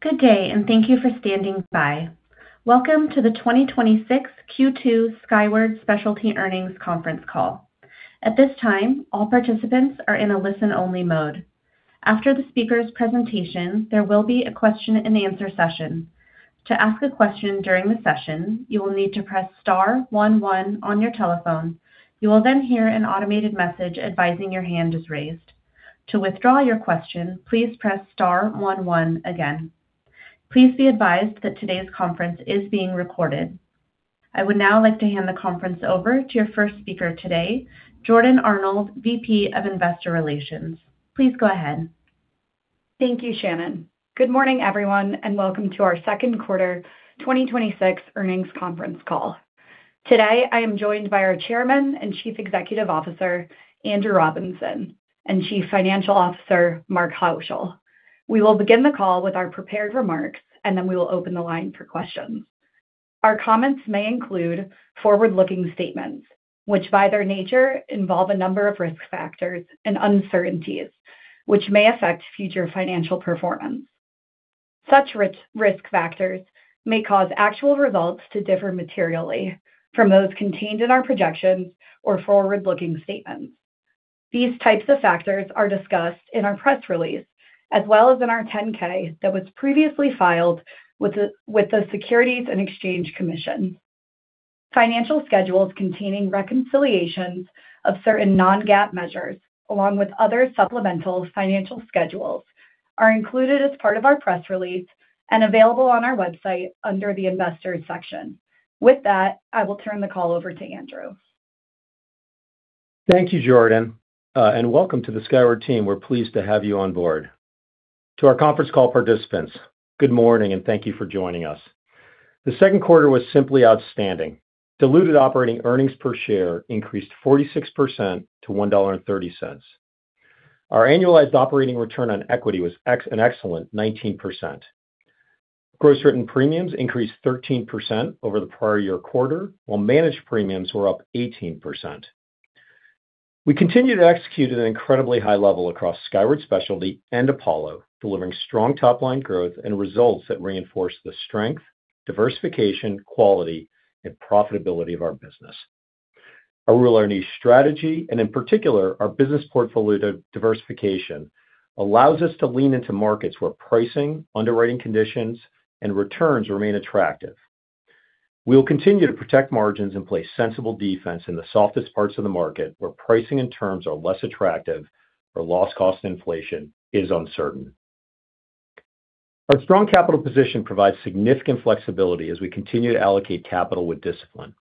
Good day. Thank you for standing by. Welcome to the 2026 Q2 Skyward Specialty earnings conference call. At this time, all participants are in a listen-only mode. After the speakers' presentation, there will be a question-and-answer session. To ask a question during the session, you will need to press star one one on your telephone. You will hear an automated message advising your hand is raised. To withdraw your question, please press star one one again. Please be advised that today's conference is being recorded. I would now like to hand the conference over to your first speaker today, Jordan Arnold, VP of Investor Relations. Please go ahead. Thank you, Shannon. Good morning, everyone. Welcome to our second quarter 2026 earnings conference call. Today, I am joined by our Chairman and Chief Executive Officer, Andrew Robinson, and Chief Financial Officer, Mark Haushill. We will begin the call with our prepared remarks. We will open the line for questions. Our comments may include forward-looking statements, which, by their nature, involve a number of risk factors and uncertainties which may affect future financial performance. Such risk factors may cause actual results to differ materially from those contained in our projections or forward-looking statements. These types of factors are discussed in our press release, as well as in our 10-K that was previously filed with the Securities and Exchange Commission. Financial schedules containing reconciliations of certain non-GAAP measures, along with other supplemental financial schedules, are included as part of our press release and available on our website under the Investors section. With that, I will turn the call over to Andrew. Thank you, Jordan. Welcome to the Skyward team. We're pleased to have you on board. To our conference call participants, good morning. Thank you for joining us. The second quarter was simply outstanding. Diluted Operating Earnings Per Share increased 46% to $1.30. Our annualized Operating Return on Equity was an excellent 19%. Gross Written Premiums increased 13% over the prior year quarter, while Managed Premiums were up 18%. We continue to execute at an incredibly high level across Skyward Specialty and Apollo, delivering strong top-line growth and results that reinforce the strength, diversification, quality, and profitability of our business. Our rule our niche strategy, in particular, our business portfolio diversification, allows us to lean into markets where pricing, underwriting conditions, and returns remain attractive. We will continue to protect margins and play sensible defense in the softest parts of the market where pricing and terms are less attractive or loss cost inflation is uncertain. Our strong capital position provides significant flexibility as we continue to allocate capital with discipline.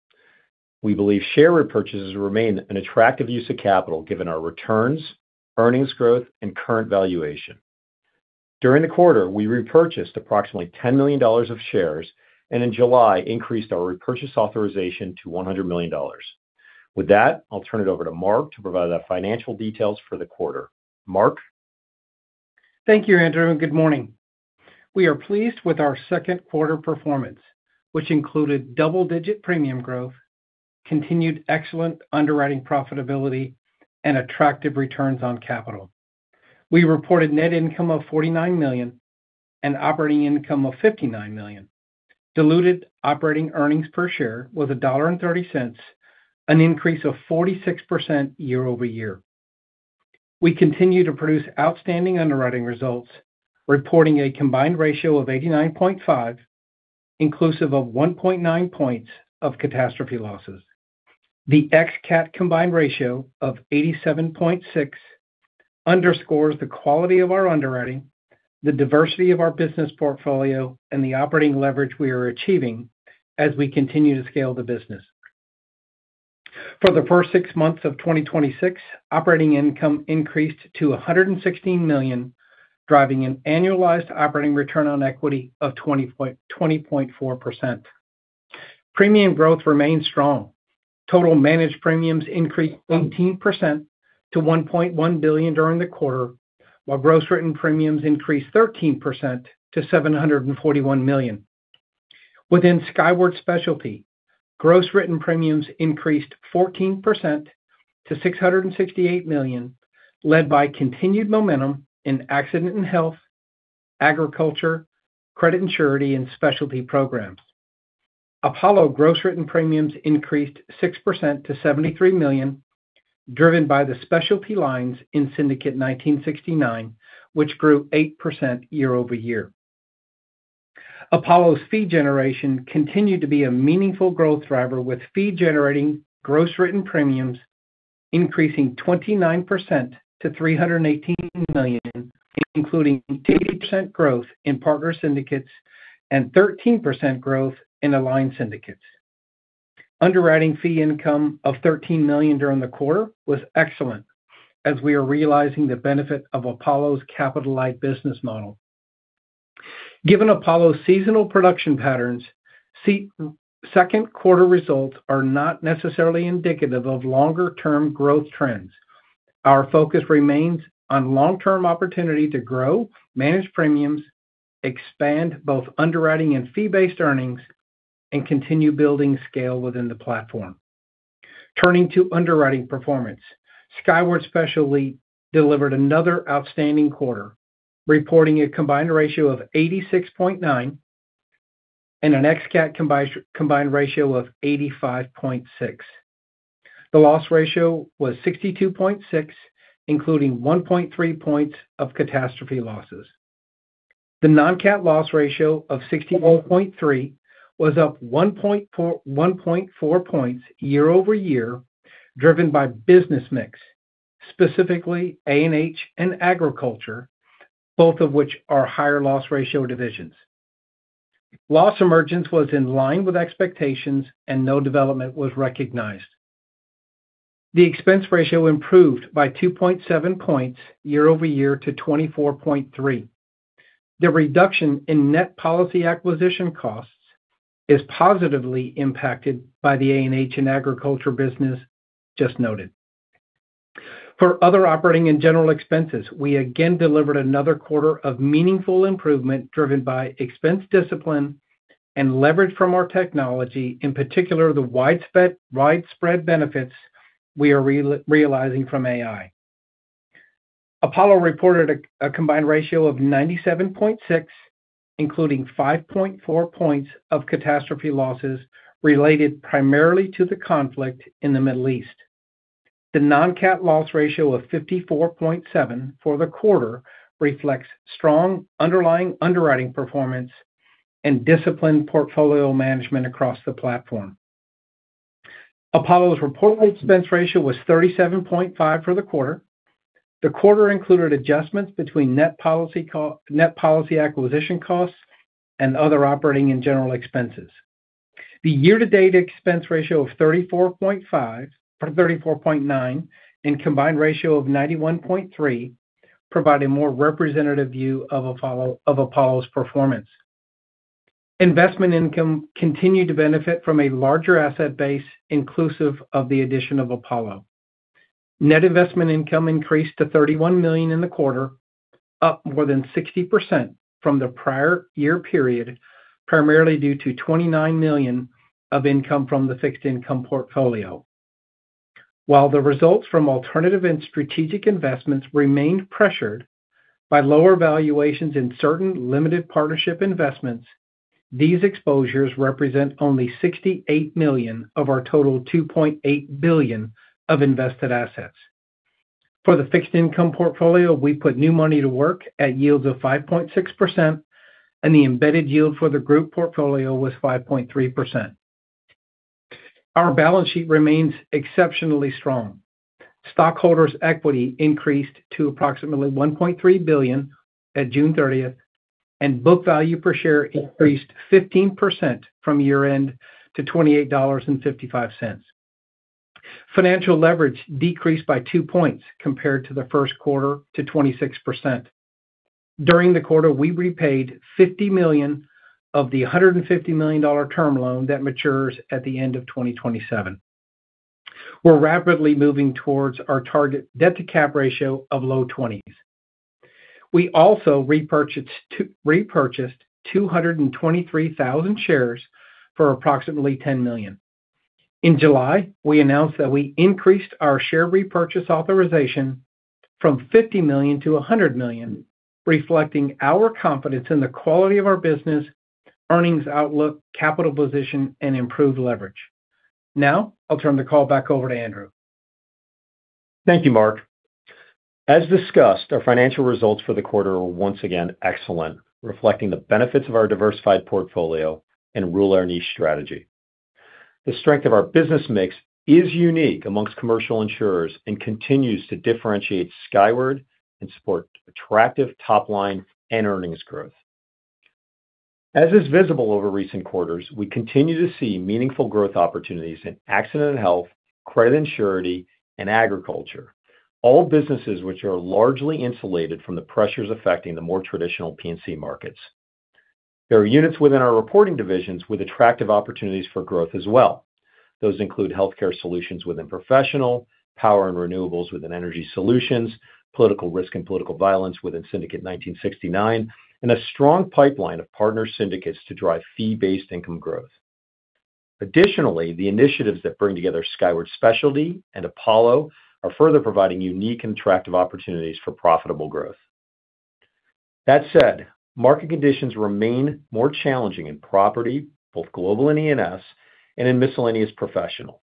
We believe share repurchases remain an attractive use of capital given our returns, earnings growth, and current valuation. During the quarter, we repurchased approximately $10 million of shares and in July increased our repurchase authorization to $100 million. With that, I'll turn it over to Mark to provide the financial details for the quarter. Mark? Thank you, Andrew. Good morning. We are pleased with our second quarter performance, which included double-digit premium growth, continued excellent underwriting profitability, and attractive returns on capital. We reported net income of $49 million and operating income of $59 million. Diluted Operating Earnings Per Share was $1.30, an increase of 46% year-over-year. We continue to produce outstanding underwriting results, reporting a Combined Ratio of 89.5, inclusive of 1.9 points of catastrophe losses. The Ex-CAT Combined Ratio of 87.6 underscores the quality of our underwriting, the diversity of our business portfolio, and the operating leverage we are achieving as we continue to scale the business. For the first six months of 2026, operating income increased to $116 million, driving an Operating Return on Equity of 20.4%. Premium growth remained strong. Total Managed Premiums increased 18% to $1.1 billion during the quarter, while Gross Written Premiums increased 13% to $741 million. Within Skyward Specialty, Gross Written Premiums increased 14% to $668 million, led by continued momentum in Accident & Health, Global Agriculture, Credit & Surety, and Specialty Programs. Apollo Gross Written Premiums increased 6% to $73 million, driven by the specialty lines in Syndicate 1969, which grew 8% year-over-year. Apollo's fee generation continued to be a meaningful growth driver, with fee-generating gross written premiums increasing 29% to $318 million, including 80% growth in Platform Partner syndicates and 13% growth in capital-aligned syndicates. Underwriting fee income of $13 million during the quarter was excellent, as we are realizing the benefit of Apollo's capital-light business model. Given Apollo's seasonal production patterns, second quarter results are not necessarily indicative of longer-term growth trends. Our focus remains on long-term opportunity to grow, Managed Premiums, expand both underwriting and fee-based earnings, and continue building scale within the platform. Turning to underwriting performance, Skyward Specialty delivered another outstanding quarter, reporting a Combined Ratio of 86.9 and an Ex-CAT Combined Ratio of 85.6. The Loss Ratio was 62.6, including 1.3 points of catastrophe losses. The non-CAT Loss Ratio of 61.3 was up 1.4 points year-over-year, driven by business mix, specifically A&H and Global Agriculture, both of which are higher loss ratio divisions. Loss emergence was in line with expectations and no development was recognized. The Expense Ratio improved by 2.7 points year-over-year to 24.3. The reduction in net policy acquisition costs is positively impacted by the A&H and Global Agriculture business just noted. For other operating and general expenses, we again delivered another quarter of meaningful improvement, driven by expense discipline and leverage from our technology, in particular, the widespread benefits we are realizing from AI. Apollo reported a Combined Ratio of 97.6, including 5.4 points of catastrophe losses related primarily to the conflict in the Middle East. The non-CAT Loss Ratio of 54.7 for the quarter reflects strong underlying underwriting performance and disciplined portfolio management across the platform. Apollo's reported Expense Ratio was 37.5 for the quarter. The quarter included adjustments between net policy acquisition costs and other operating and general expenses. The year-to-date Expense Ratio of 34.9 and Combined Ratio of 91.3 provide a more representative view of Apollo's performance. Investment income continued to benefit from a larger asset base, inclusive of the addition of Apollo. Net investment income increased to $31 million in the quarter, up more than 60% from the prior year period, primarily due to $29 million of income from the fixed income portfolio. While the results from alternative and strategic investments remained pressured by lower valuations in certain limited partnership investments, these exposures represent only $68 million of our total $2.8 billion of invested assets. For the fixed income portfolio, we put new money to work at yields of 5.6%, and the embedded yield for the group portfolio was 5.3%. Our balance sheet remains exceptionally strong. Stockholders' equity increased to approximately $1.3 billion at June 30th, and book value per share increased 15% from year-end to $28.55. Financial leverage decreased by two points compared to the first quarter to 26%. During the quarter, we repaid $50 million of the $150 million term loan that matures at the end of 2027. We're rapidly moving towards our target debt-to-capital ratio of low 20s. We also repurchased 223,000 shares for approximately $10 million. In July, we announced that we increased our share repurchase authorization from $50 million-$100 million, reflecting our confidence in the quality of our business, earnings outlook, capital position, and improved leverage. I'll turn the call back over to Andrew. Thank you, Mark. As discussed, our financial results for the quarter are once again excellent, reflecting the benefits of our diversified portfolio and rule our niche strategy. The strength of our business mix is unique amongst commercial insurers and continues to differentiate Skyward and support attractive top line and earnings growth. As is visible over recent quarters, we continue to see meaningful growth opportunities in Accident & Health, Credit & Surety, and Global Agriculture, all businesses which are largely insulated from the pressures affecting the more traditional P&C markets. There are units within our reporting divisions with attractive opportunities for growth as well. Those include Healthcare Solutions within Professional Lines, power and renewables within Energy Solutions, political risk and political violence within Syndicate 1969, and a strong pipeline of Platform Partner syndicates to drive fee-based income growth. Additionally, the initiatives that bring together Skyward Specialty and Apollo are further providing unique and attractive opportunities for profitable growth. That said, market conditions remain more challenging in property, both global and E&S, and in miscellaneous professional.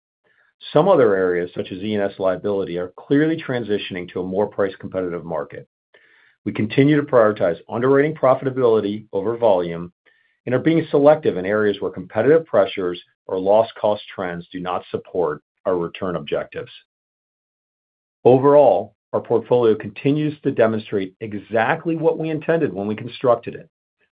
Some other areas, such as E&S liability, are clearly transitioning to a more price-competitive market. We continue to prioritize underwriting profitability over volume and are being selective in areas where competitive pressures or loss cost trends do not support our return objectives. Overall, our portfolio continues to demonstrate exactly what we intended when we constructed it.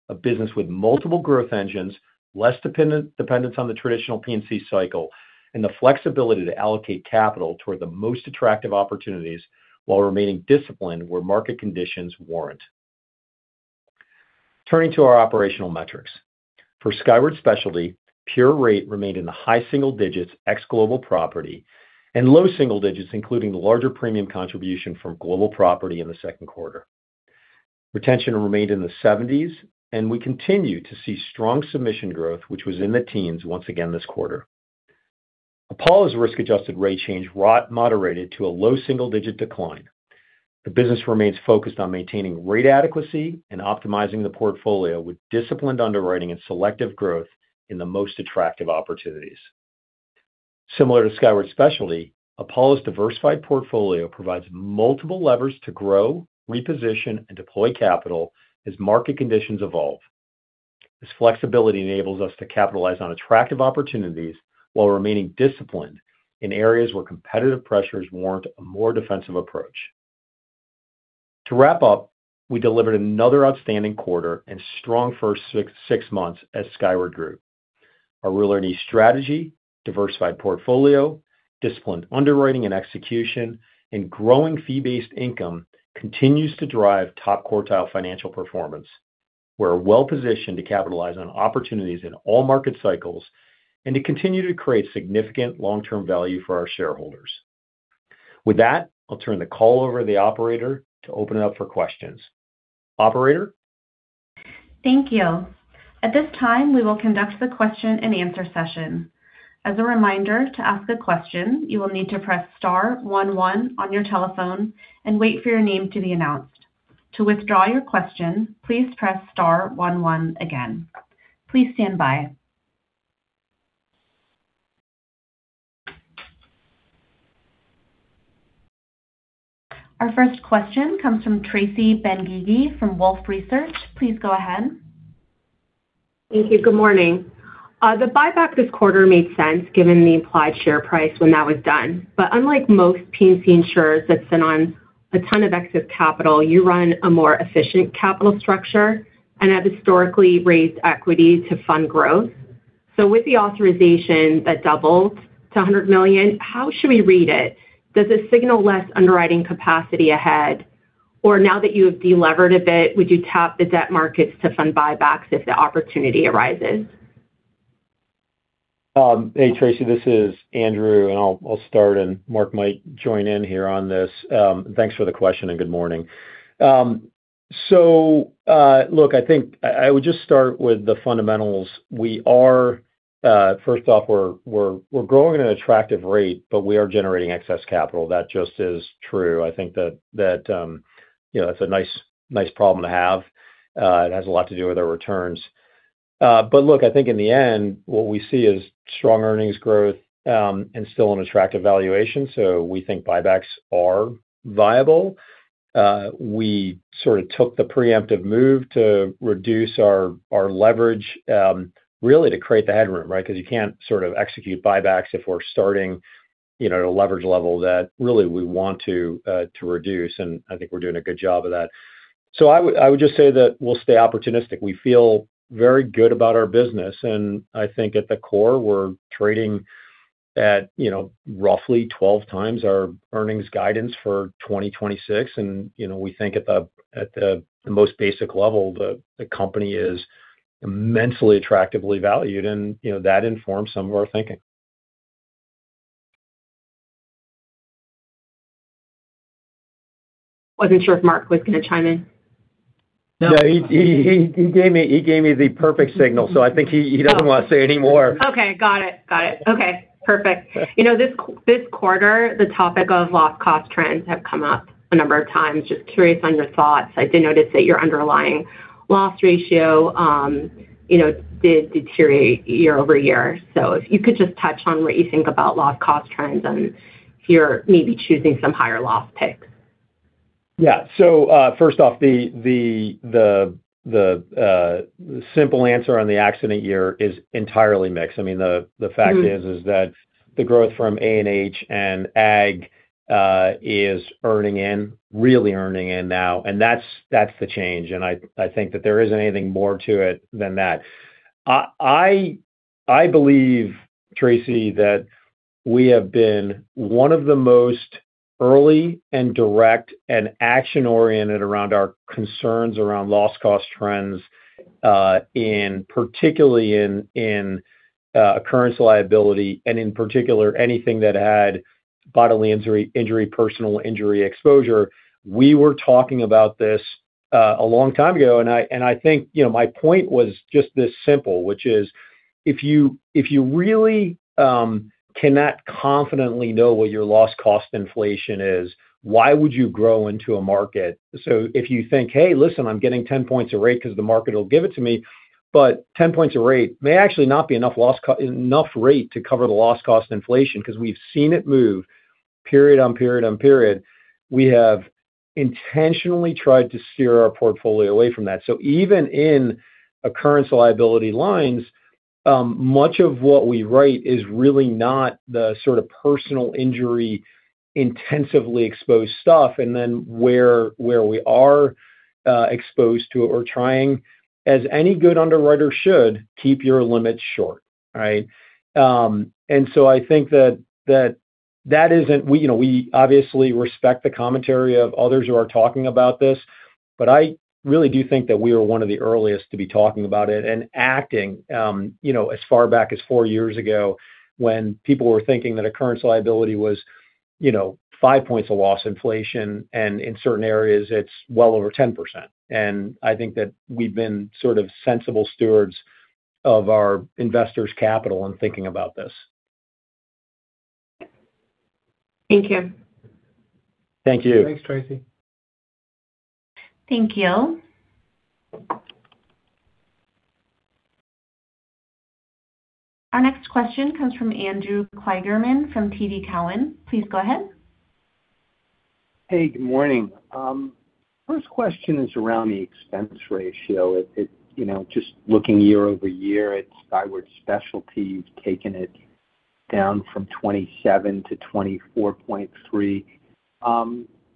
A business with multiple growth engines, less dependence on the traditional P&C cycle, and the flexibility to allocate capital toward the most attractive opportunities while remaining disciplined where market conditions warrant. Turning to our operational metrics. For Skyward Specialty, pure rate remained in the high single digits ex global property and low single digits, including the larger premium contribution from global property in the second quarter. Retention remained in the 70s, and we continue to see strong submission growth, which was in the teens once again this quarter. Apollo's risk-adjusted rate change moderated to a low single-digit decline. The business remains focused on maintaining rate adequacy and optimizing the portfolio with disciplined underwriting and selective growth in the most attractive opportunities. Similar to Skyward Specialty, Apollo's diversified portfolio provides multiple levers to grow, reposition, and deploy capital as market conditions evolve. This flexibility enables us to capitalize on attractive opportunities while remaining disciplined in areas where competitive pressures warrant a more defensive approach. To wrap up, we delivered another outstanding quarter and strong first six months as Skyward Group. Our rule our niche strategy, diversified portfolio, disciplined underwriting and execution, and growing fee-based income continues to drive top-quartile financial performance. We're well-positioned to capitalize on opportunities in all market cycles and to continue to create significant long-term value for our shareholders. With that, I'll turn the call over to the operator to open it up for questions. Operator? Thank you. At this time, we will conduct the question-and-answer session. As a reminder, to ask a question, you will need to press star one one on your telephone and wait for your name to be announced. To withdraw your question, please press star one one again. Please stand by. Our first question comes from Tracy Benguigui from Wolfe Research. Please go ahead. Thank you. Good morning. The buyback this quarter made sense given the implied share price when that was done. Unlike most P&C insurers that sit on a ton of excess capital, you run a more efficient capital structure and have historically raised equity to fund growth. With the authorization that doubled to $100 million, how should we read it? Does this signal less underwriting capacity ahead? Now that you have delevered a bit, would you tap the debt markets to fund buybacks if the opportunity arises? Hey, Tracy. This is Andrew, and I'll start, and Mark might join in here on this. Thanks for the question and good morning. Look, I think I would just start with the fundamentals. First off, we're growing at an attractive rate, we are generating excess capital. That just is true. I think that's a nice problem to have. It has a lot to do with our returns. Look, I think in the end, what we see is strong earnings growth and still an attractive valuation. We think buybacks are viable. We sort of took the preemptive move to reduce our leverage, really to create the headroom, right? Because you can't execute buybacks if we're starting at a leverage level that really we want to reduce, and I think we're doing a good job of that. I would just say that we'll stay opportunistic. We feel very good about our business, I think at the core, we're trading at roughly 12x our earnings guidance for 2026. We think at the most basic level, the company is immensely attractively valued, and that informs some of our thinking. Wasn't sure if Mark was going to chime in. No, he gave me the perfect signal, so I think he doesn't want to say any more. Okay. Got it. Okay, perfect. This quarter, the topic of loss cost trends have come up a number of times. Just curious on your thoughts. I did notice that your underlying Loss Ratio did deteriorate year-over-year. If you could just touch on what you think about loss cost trends and if you're maybe choosing some higher loss picks. Yeah. First off, the simple answer on the accident year is entirely mixed. The fact is that the growth from A&H and AG is earning in, really earning in now, and that's the change. I think that there isn't anything more to it than that. I believe, Tracy, that we have been one of the most early and direct and action-oriented around our concerns around loss cost trends, particularly in Occurrence Liability and in particular, anything that had Bodily Injury, Personal Injury exposure. We were talking about this a long time ago, and I think my point was just this simple, which is if you really cannot confidently know what your Loss Cost Inflation is, why would you grow into a market? If you think, hey, listen, I'm getting 10 points a rate because the market will give it to me, but 10 points a rate may actually not be enough rate to cover the Loss Cost Inflation because we've seen it move period on period on period. We have intentionally tried to steer our portfolio away from that. Even in Occurrence Liability lines, much of what we write is really not the Personal Injury intensively exposed stuff. Where we are exposed to it, we're trying, as any good underwriter should, keep your limits short. Right? I think that we obviously respect the commentary of others who are talking about this, but I really do think that we were one of the earliest to be talking about it and acting as far back as four years ago when people were thinking that occurrence liability was five points of loss inflation, and in certain areas, it's well over 10%. I think that we've been sensible stewards of our investors' capital in thinking about this. Thank you. Thank you. Thanks, Tracy. Thank you. Our next question comes from Andrew Kligerman from TD Cowen. Please go ahead. Hey, good morning. First question is around the expense ratio. Just looking year-over-year at Skyward Specialty, you've taken it down from 27% to 24.3%.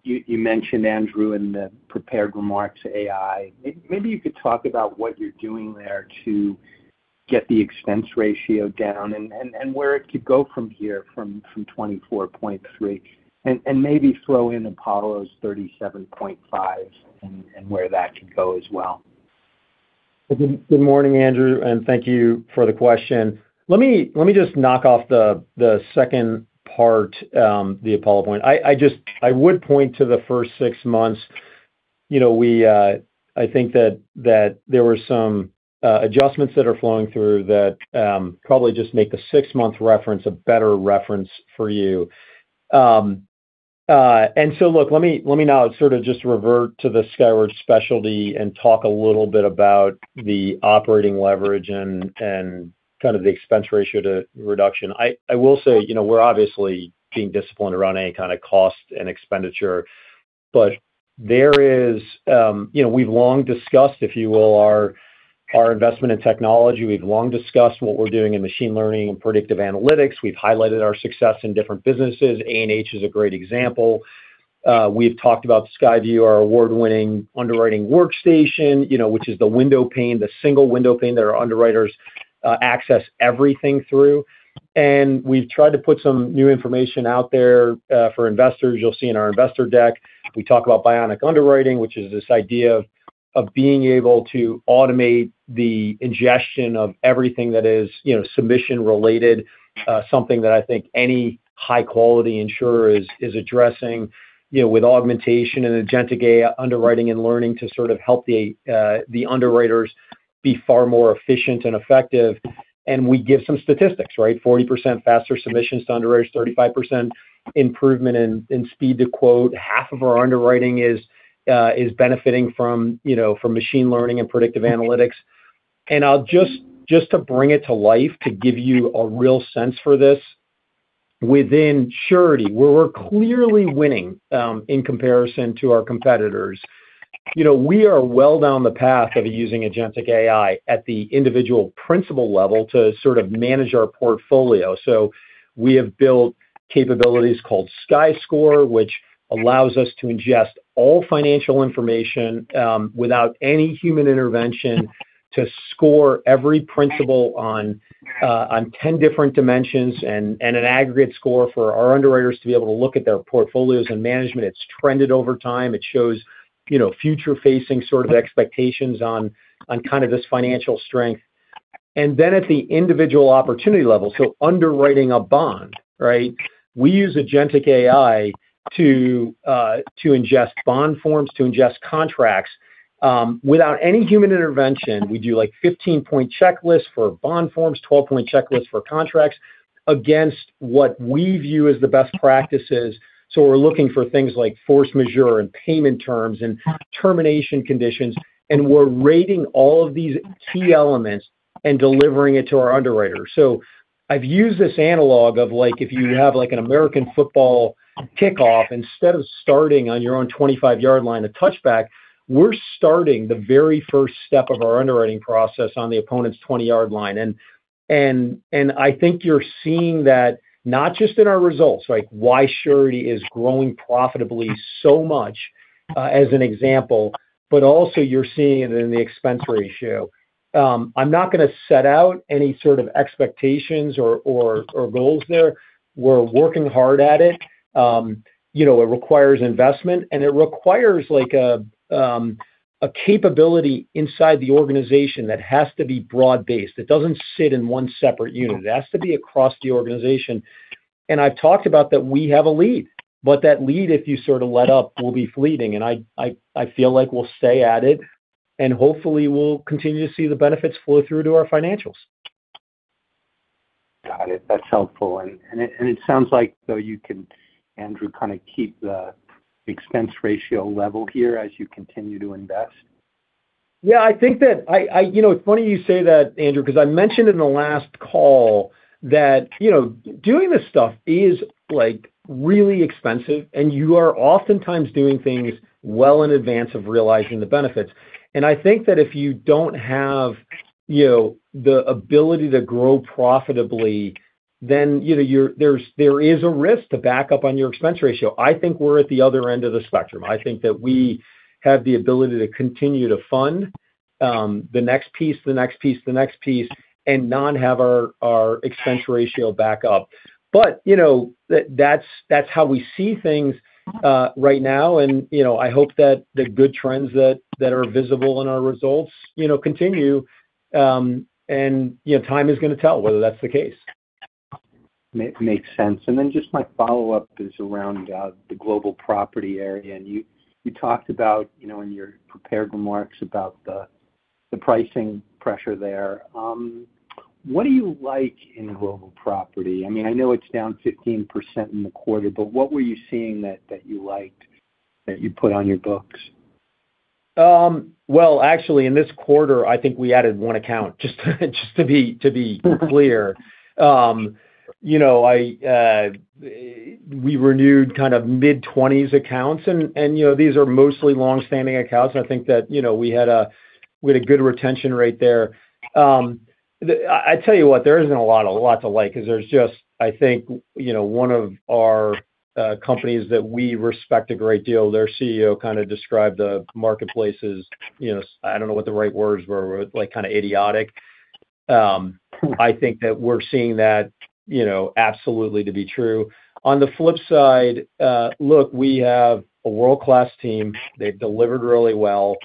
You mentioned, Andrew, in the prepared remarks, AI. Maybe you could talk about what you're doing there to get the expense ratio down and where it could go from here, from 24.3%. Maybe throw in Apollo's 37.5% and where that could go as well. Good morning, Andrew. Thank you for the question. Let me just knock off the second part, the Apollo point. I would point to the first six months. I think that there were some adjustments that are flowing through that probably just make the six-month reference a better reference for you. Look, let me now sort of just revert to the Skyward Specialty and talk a little bit about the operating leverage and kind of the expense ratio reduction. I will say, we're obviously being disciplined around any kind of cost and expenditure. We've long discussed, if you will, our investment in technology. We've long discussed what we're doing in machine learning and predictive analytics. We've highlighted our success in different businesses. A&H is a great example. We've talked about SkyView, our award-winning underwriting workstation which is the window pane, the single window pane that our underwriters access everything through. We've tried to put some new information out there for investors. You'll see in our investor deck, we talk about bionic underwriting, which is this idea of being able to automate the ingestion of everything that is submission related, something that I think any high-quality insurer is addressing, with augmentation and agentic underwriting and learning to sort of help the underwriters be far more efficient and effective. We give some statistics, right? 40% faster submissions to underwriters, 35% improvement in speed to quote. Half of our underwriting is benefiting from machine learning and predictive analytics. Just to bring it to life, to give you a real sense for this, within Surety, where we're clearly winning in comparison to our competitors. We are well down the path of using agentic AI at the individual principal level to sort of manage our portfolio. We have built capabilities called SkyScore, which allows us to ingest all financial information without any human intervention to score every principal on 10 different dimensions and an aggregate score for our underwriters to be able to look at their portfolios and management. It's trended over time. It shows future-facing sort of expectations on kind of this financial strength. At the individual opportunity level, so underwriting a bond, right? We use agentic AI to ingest bond forms, to ingest contracts without any human intervention. We do 15-point checklists for bond forms, 12-point checklists for contracts against what we view as the best practices. We're looking for things like force majeure and payment terms and termination conditions, and we're rating all of these key elements and delivering it to our underwriters. I've used this analog of if you have an American football kickoff, instead of starting on your own 25-yard line, a touchback, we're starting the very first step of our underwriting process on the opponent's 20-yard line. I think you're seeing that not just in our results, like why Surety is growing profitably so much, as an example, but also you're seeing it in the expense ratio. I'm not going to set out any sort of expectations or goals there. We're working hard at it. It requires investment, and it requires a capability inside the organization that has to be broad-based. It doesn't sit in one separate unit. It has to be across the organization. I've talked about that we have a lead, but that lead, if you sort of let up, will be fleeting. I feel like we'll stay at it, and hopefully, we'll continue to see the benefits flow through to our financials. Got it. That's helpful. It sounds like, though, you can, Andrew, kind of keep the expense ratio level here as you continue to invest? Yeah, it's funny you say that, Andrew, because I mentioned in the last call that doing this stuff is really expensive, and you are oftentimes doing things well in advance of realizing the benefits. I think that if you don't have the ability to grow profitably, then there is a risk to back up on your expense ratio. I think we're at the other end of the spectrum. I think that we have the ability to continue to fund the next piece, the next piece, the next piece, and not have our expense ratio back up. That's how we see things right now, and I hope that the good trends that are visible in our results continue. Time is going to tell whether that's the case. Makes sense. Then just my follow-up is around the global property area. You talked about, in your prepared remarks about the pricing pressure there. What do you like in global property? I know it's down 15% in the quarter, what were you seeing that you liked that you put on your books? Well, actually, in this quarter, I think we added one account, just to be clear. We renewed kind of mid-20s accounts and these are mostly longstanding accounts, and I think that we had a good retention rate there. I tell you what, there isn't a lot to like because there's just, I think, one of our companies that we respect a great deal, their CEO kind of described the marketplace as, I don't know what the right words were, kind of idiotic. I think that we're seeing that absolutely to be true. On the flip side, look, we have a world-class team. They've delivered really well.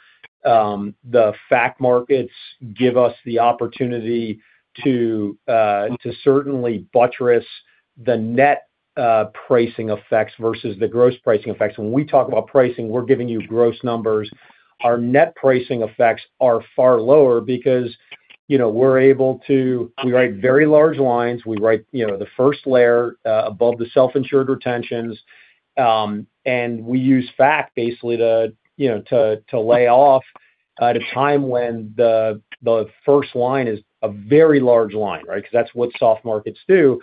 The fac markets give us the opportunity to certainly buttress the net pricing effects versus the gross pricing effects. When we talk about pricing, we're giving you gross numbers. Our net pricing effects are far lower because we write very large lines. We write the first layer above the self-insured retentions. We use fac basically to lay off at a time when the first line is a very large line, right? Because that's what soft markets do.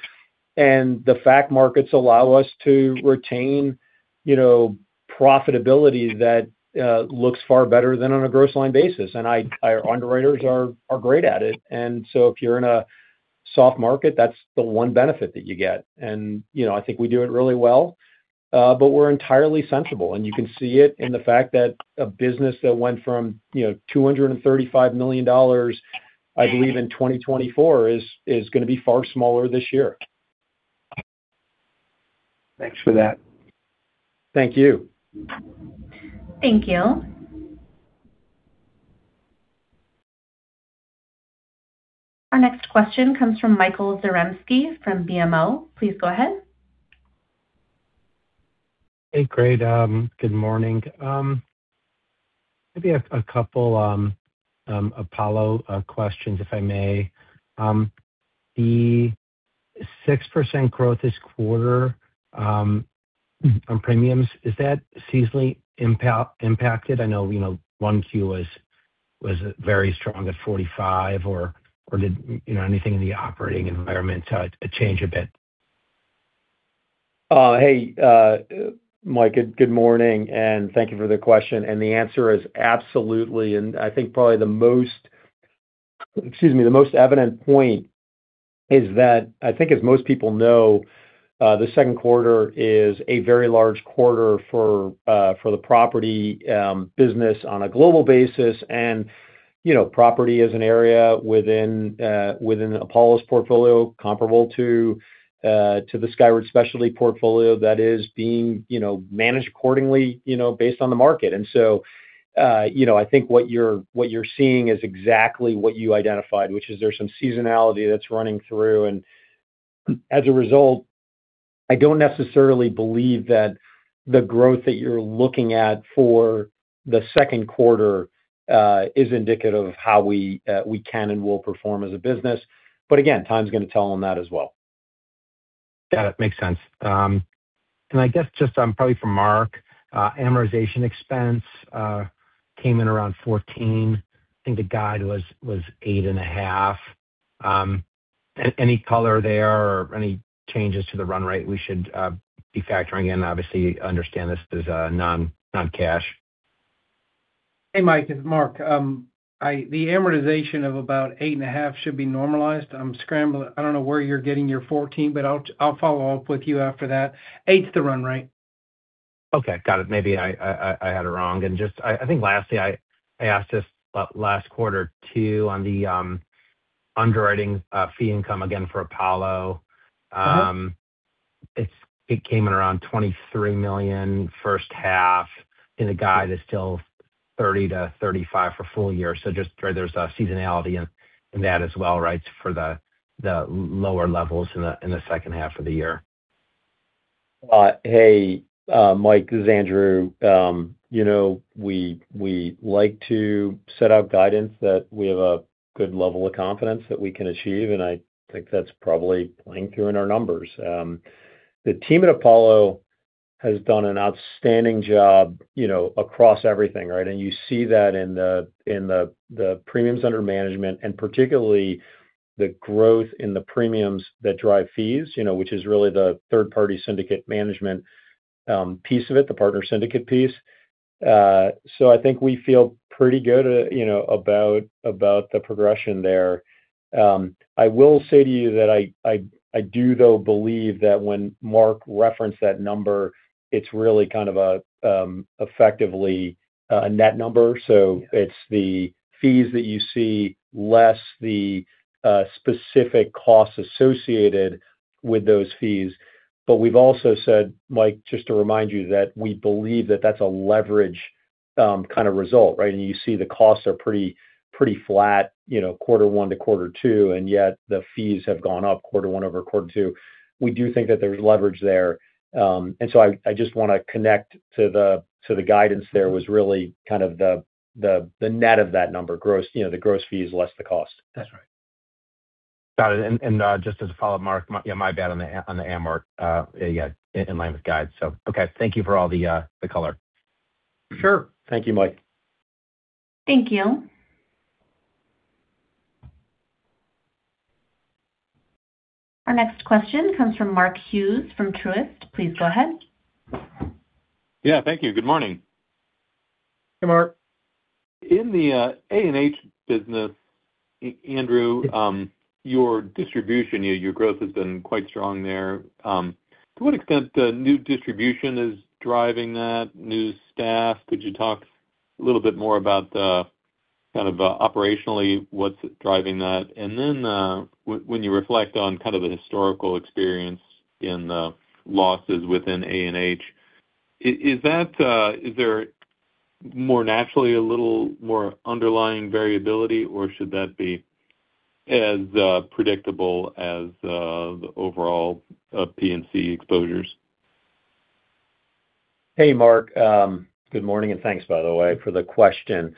The fac markets allow us to retain profitability that looks far better than on a gross line basis. Our underwriters are great at it. So if you're in a soft market, that's the one benefit that you get. I think we do it really well. We're entirely sensible, and you can see it in the fac that a business that went from $235 million, I believe, in 2024 is going to be far smaller this year. Thanks for that. Thank you. Thank you. Our next question comes from Michael Zaremski from BMO. Please go ahead. Hey, great. Good morning. Maybe a couple Apollo questions, if I may. The 6% growth this quarter on premiums, is that seasonally impacted? I know 1Q was very strong at 45% or did anything in the operating environment change a bit? Hey, Mike, good morning, and thank you for the question. The answer is absolutely. I think probably the most, excuse me, the most evident point is that I think as most people know, the second quarter is a very large quarter for the property business on a global basis. Property is an area within Apollo's portfolio comparable to the Skyward Specialty portfolio that is being managed accordingly based on the market. I think what you're seeing is exactly what you identified, which is there's some seasonality that's running through, and as a result, I don't necessarily believe that the growth that you're looking at for the second quarter is indicative of how we can and will perform as a business. Again, time's going to tell on that as well. That makes sense. I guess just probably for Mark, amortization expense came in around $14. I think the guide was $8.5. Any color there or any changes to the run rate we should be factoring in? Obviously, understand this is a non-cash. Hey, Mike, it's Mark. The amortization of about $8.5 should be normalized. I'm scrambling. I don't know where you're getting your $14, but I'll follow-up with you after that. $8's the run rate. Okay, got it. Just, I think lastly, I asked this last quarter too, on the underwriting fee income again for Apollo. It came in around $23 million first half. The guide is still $30-$35 for full year. Just there's a seasonality in that as well, right? For the lower levels in the second half of the year. Hey, Mike, this is Andrew. We like to set out guidance that we have a good level of confidence that we can achieve. I think that's probably playing through in our numbers. The team at Apollo has done an outstanding job across everything, right? You see that in the premiums under management and particularly the growth in the premiums that drive fees, which is really the third party syndicate management piece of it, the Platform Partner syndicate piece. I think we feel pretty good about the progression there. I will say to you that I do, though, believe that when Mark referenced that number, it's really kind of effectively a net number. It's the fees that you see less the specific costs associated with those fees. We've also said, Mike, just to remind you, that we believe that that's a leverage-kind of result, right? You see the costs are pretty flat quarter one to quarter two, and yet the fees have gone up quarter one over quarter two. We do think that there's leverage there. I just want to connect to the guidance there was really kind of the net of that number, the gross fees less the cost. That's right. Got it. Just as a follow-up, Mark, my bad on the amortization. Yeah, in line with guides. Okay. Thank you for all the color. Sure. Thank you, Mike. Thank you. Our next question comes from Mark Hughes from Truist. Please go ahead. Yeah, thank you. Good morning. Hey, Mark. In the A&H business, Andrew, Yeah ...your distribution, your growth has been quite strong there. To what extent new distribution is driving that, new staff? Could you talk a little bit more about the kind of operationally, what's driving that? When you reflect on kind of the historical experience in the losses within A&H, is there more naturally a little more underlying variability, or should that be as predictable as the overall P&C exposures? Hey, Mark. Good morning. Thanks by the way for the question.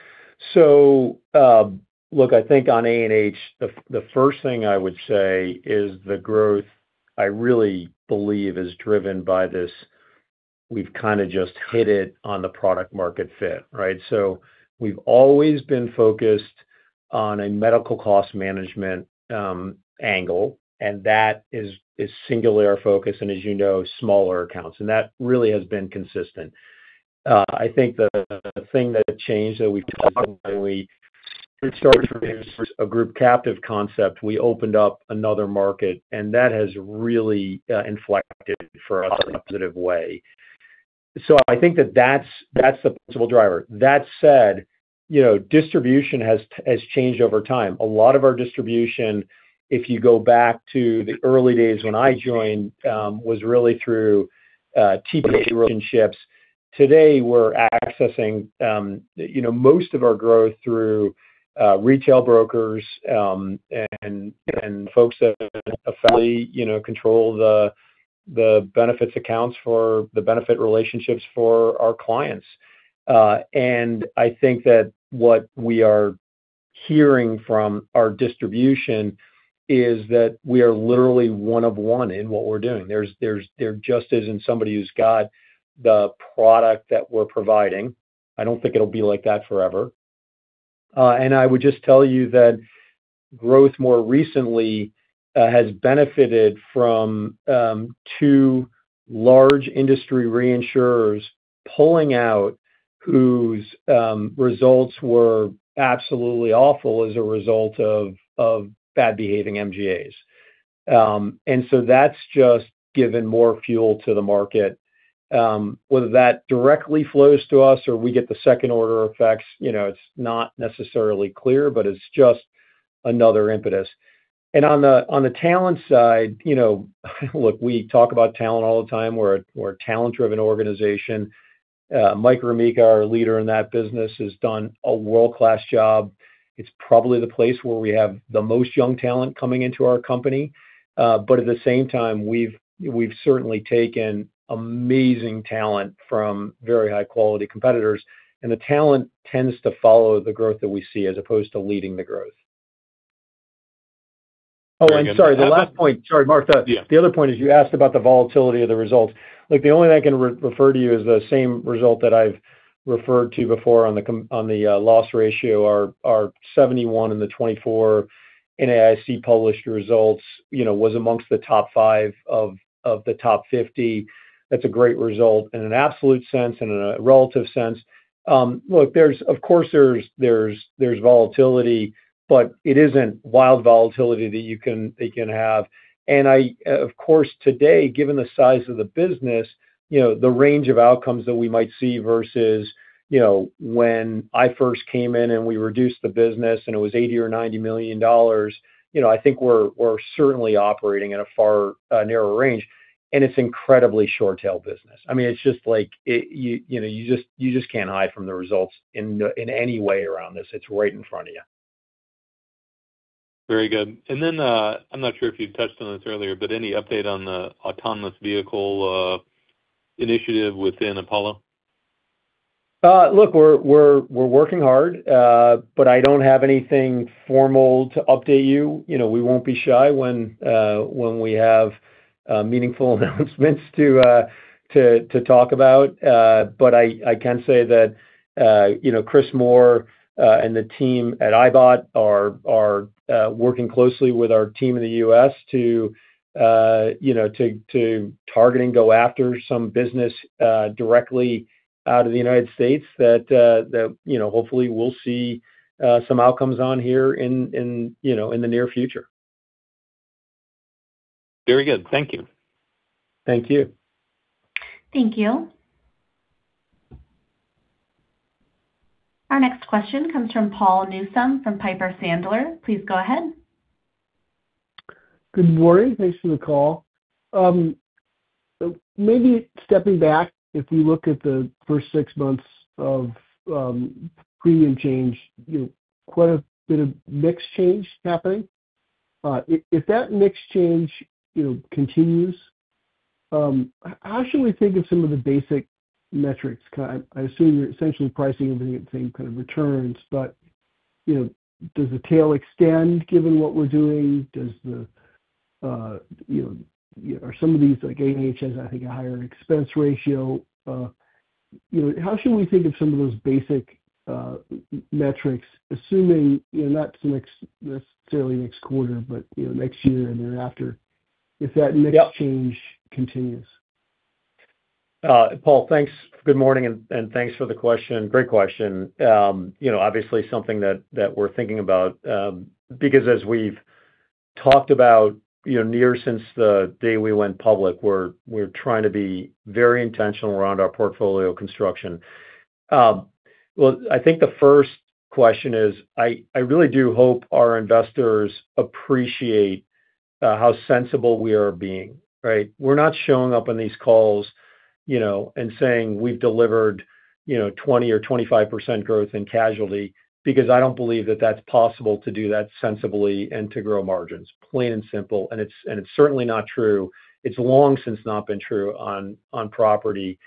Look, I think on A&H, the first thing I would say is the growth I really believe is driven by this. We've kind of just hit it on the product market fit, right? We've always been focused on a medical cost management angle, and that is singularly our focus and as you know, smaller accounts. That really has been consistent. I think the thing that changed that we've talked about when we started a group captive concept, we opened up another market, and that has really inflected for us in a positive way. I think that that's the principal driver. That said, distribution has changed over time. A lot of our distribution, if you go back to the early days when I joined was really through TPA relationships. Today, we're accessing most of our growth through retail brokers and folks that control the benefits accounts for the benefit relationships for our clients. I think that what we are hearing from our distribution is that we are literally one of one in what we're doing. There just isn't somebody who's got the product that we're providing. I don't think it'll be like that forever. I would just tell you that growth more recently has benefited from two large industry reinsurers pulling out whose results were absolutely awful as a result of bad behaving MGAs. That's just given more fuel to the market. Whether that directly flows to us or we get the second order effects, it's not necessarily clear, but it's just another impetus. On the talent side, look, we talk about talent all the time. We're a talent-driven organization. Mike Romica, our leader in that business, has done a world-class job. It's probably the place where we have the most young talent coming into our company. At the same time, we've certainly taken amazing talent from very high-quality competitors, and the talent tends to follow the growth that we see as opposed to leading the growth. Oh, I'm sorry. The last point. Sorry, Mark. Yeah. The other point is you asked about the volatility of the results. Look, the only thing I can refer to you is the same result that I've referred to before on the loss ratio, our 71 in the 24 NAIC published results was amongst the top five of the top 50. That's a great result in an absolute sense, in a relative sense. Look, of course, there's volatility, but it isn't wild volatility that they can have. Of course today, given the size of the business, the range of outcomes that we might see versus when I first came in and we reduced the business and it was $80 million or $90 million, I think we're certainly operating in a far narrower range, and it's incredibly short-tail business. It's just like you can't hide from the results in any way around this. It's right in front of you. Very good. Then, I'm not sure if you've touched on this earlier, but any update on the autonomous vehicle initiative within Apollo? Look, we're working hard, but I don't have anything formal to update you. We won't be shy when we have meaningful announcements to talk about. I can say that Chris Moore and the team at ibott are working closely with our team in the U.S. to target and go after some business directly out of the United States that hopefully we'll see some outcomes on here in the near future. Very good. Thank you. Thank you. Thank you. Our next question comes from Paul Newsome from Piper Sandler. Please go ahead. Good morning. Thanks for the call. Stepping back, if we look at the first six months of premium change, quite a bit of mix change happening. If that mix change continues, how should we think of some of the basic metrics? I assume you're essentially pricing everything at the same kind of returns, does the tail extend given what we're doing? Are some of these, like A&H has, I think, a higher Expense Ratio. How should we think of some of those basic metrics, assuming not necessarily next quarter, next year and thereafter if that mix change continues? Paul, thanks. Good morning, thanks for the question. Great question. Obviously something that we're thinking about, as we've talked about near since the day we went public, we're trying to be very intentional around our portfolio construction. Well, I think the first question is, I really do hope our investors appreciate how sensible we are being. Right? We're not showing up on these calls and saying we've delivered 20% or 25% growth in casualty I don't believe that that's possible to do that sensibly and to grow margins, plain and simple, it's certainly not true. It's long since not been true on property.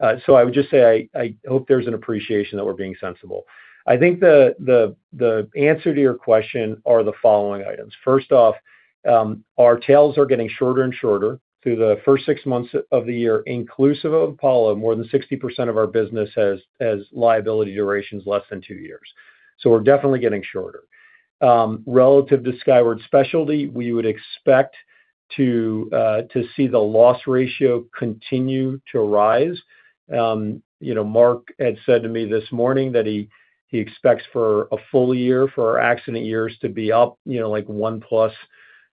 I would just say I hope there's an appreciation that we're being sensible. I think the answer to your question are the following items. First off, our tails are getting shorter and shorter through the first six months of the year inclusive of Apollo, more than 60% of our business has liability durations less than two years. We're definitely getting shorter. Relative to Skyward Specialty, we would expect to see the Loss Ratio continue to rise. Mark had said to me this morning that he expects for a full year for our accident years to be up like 1 plus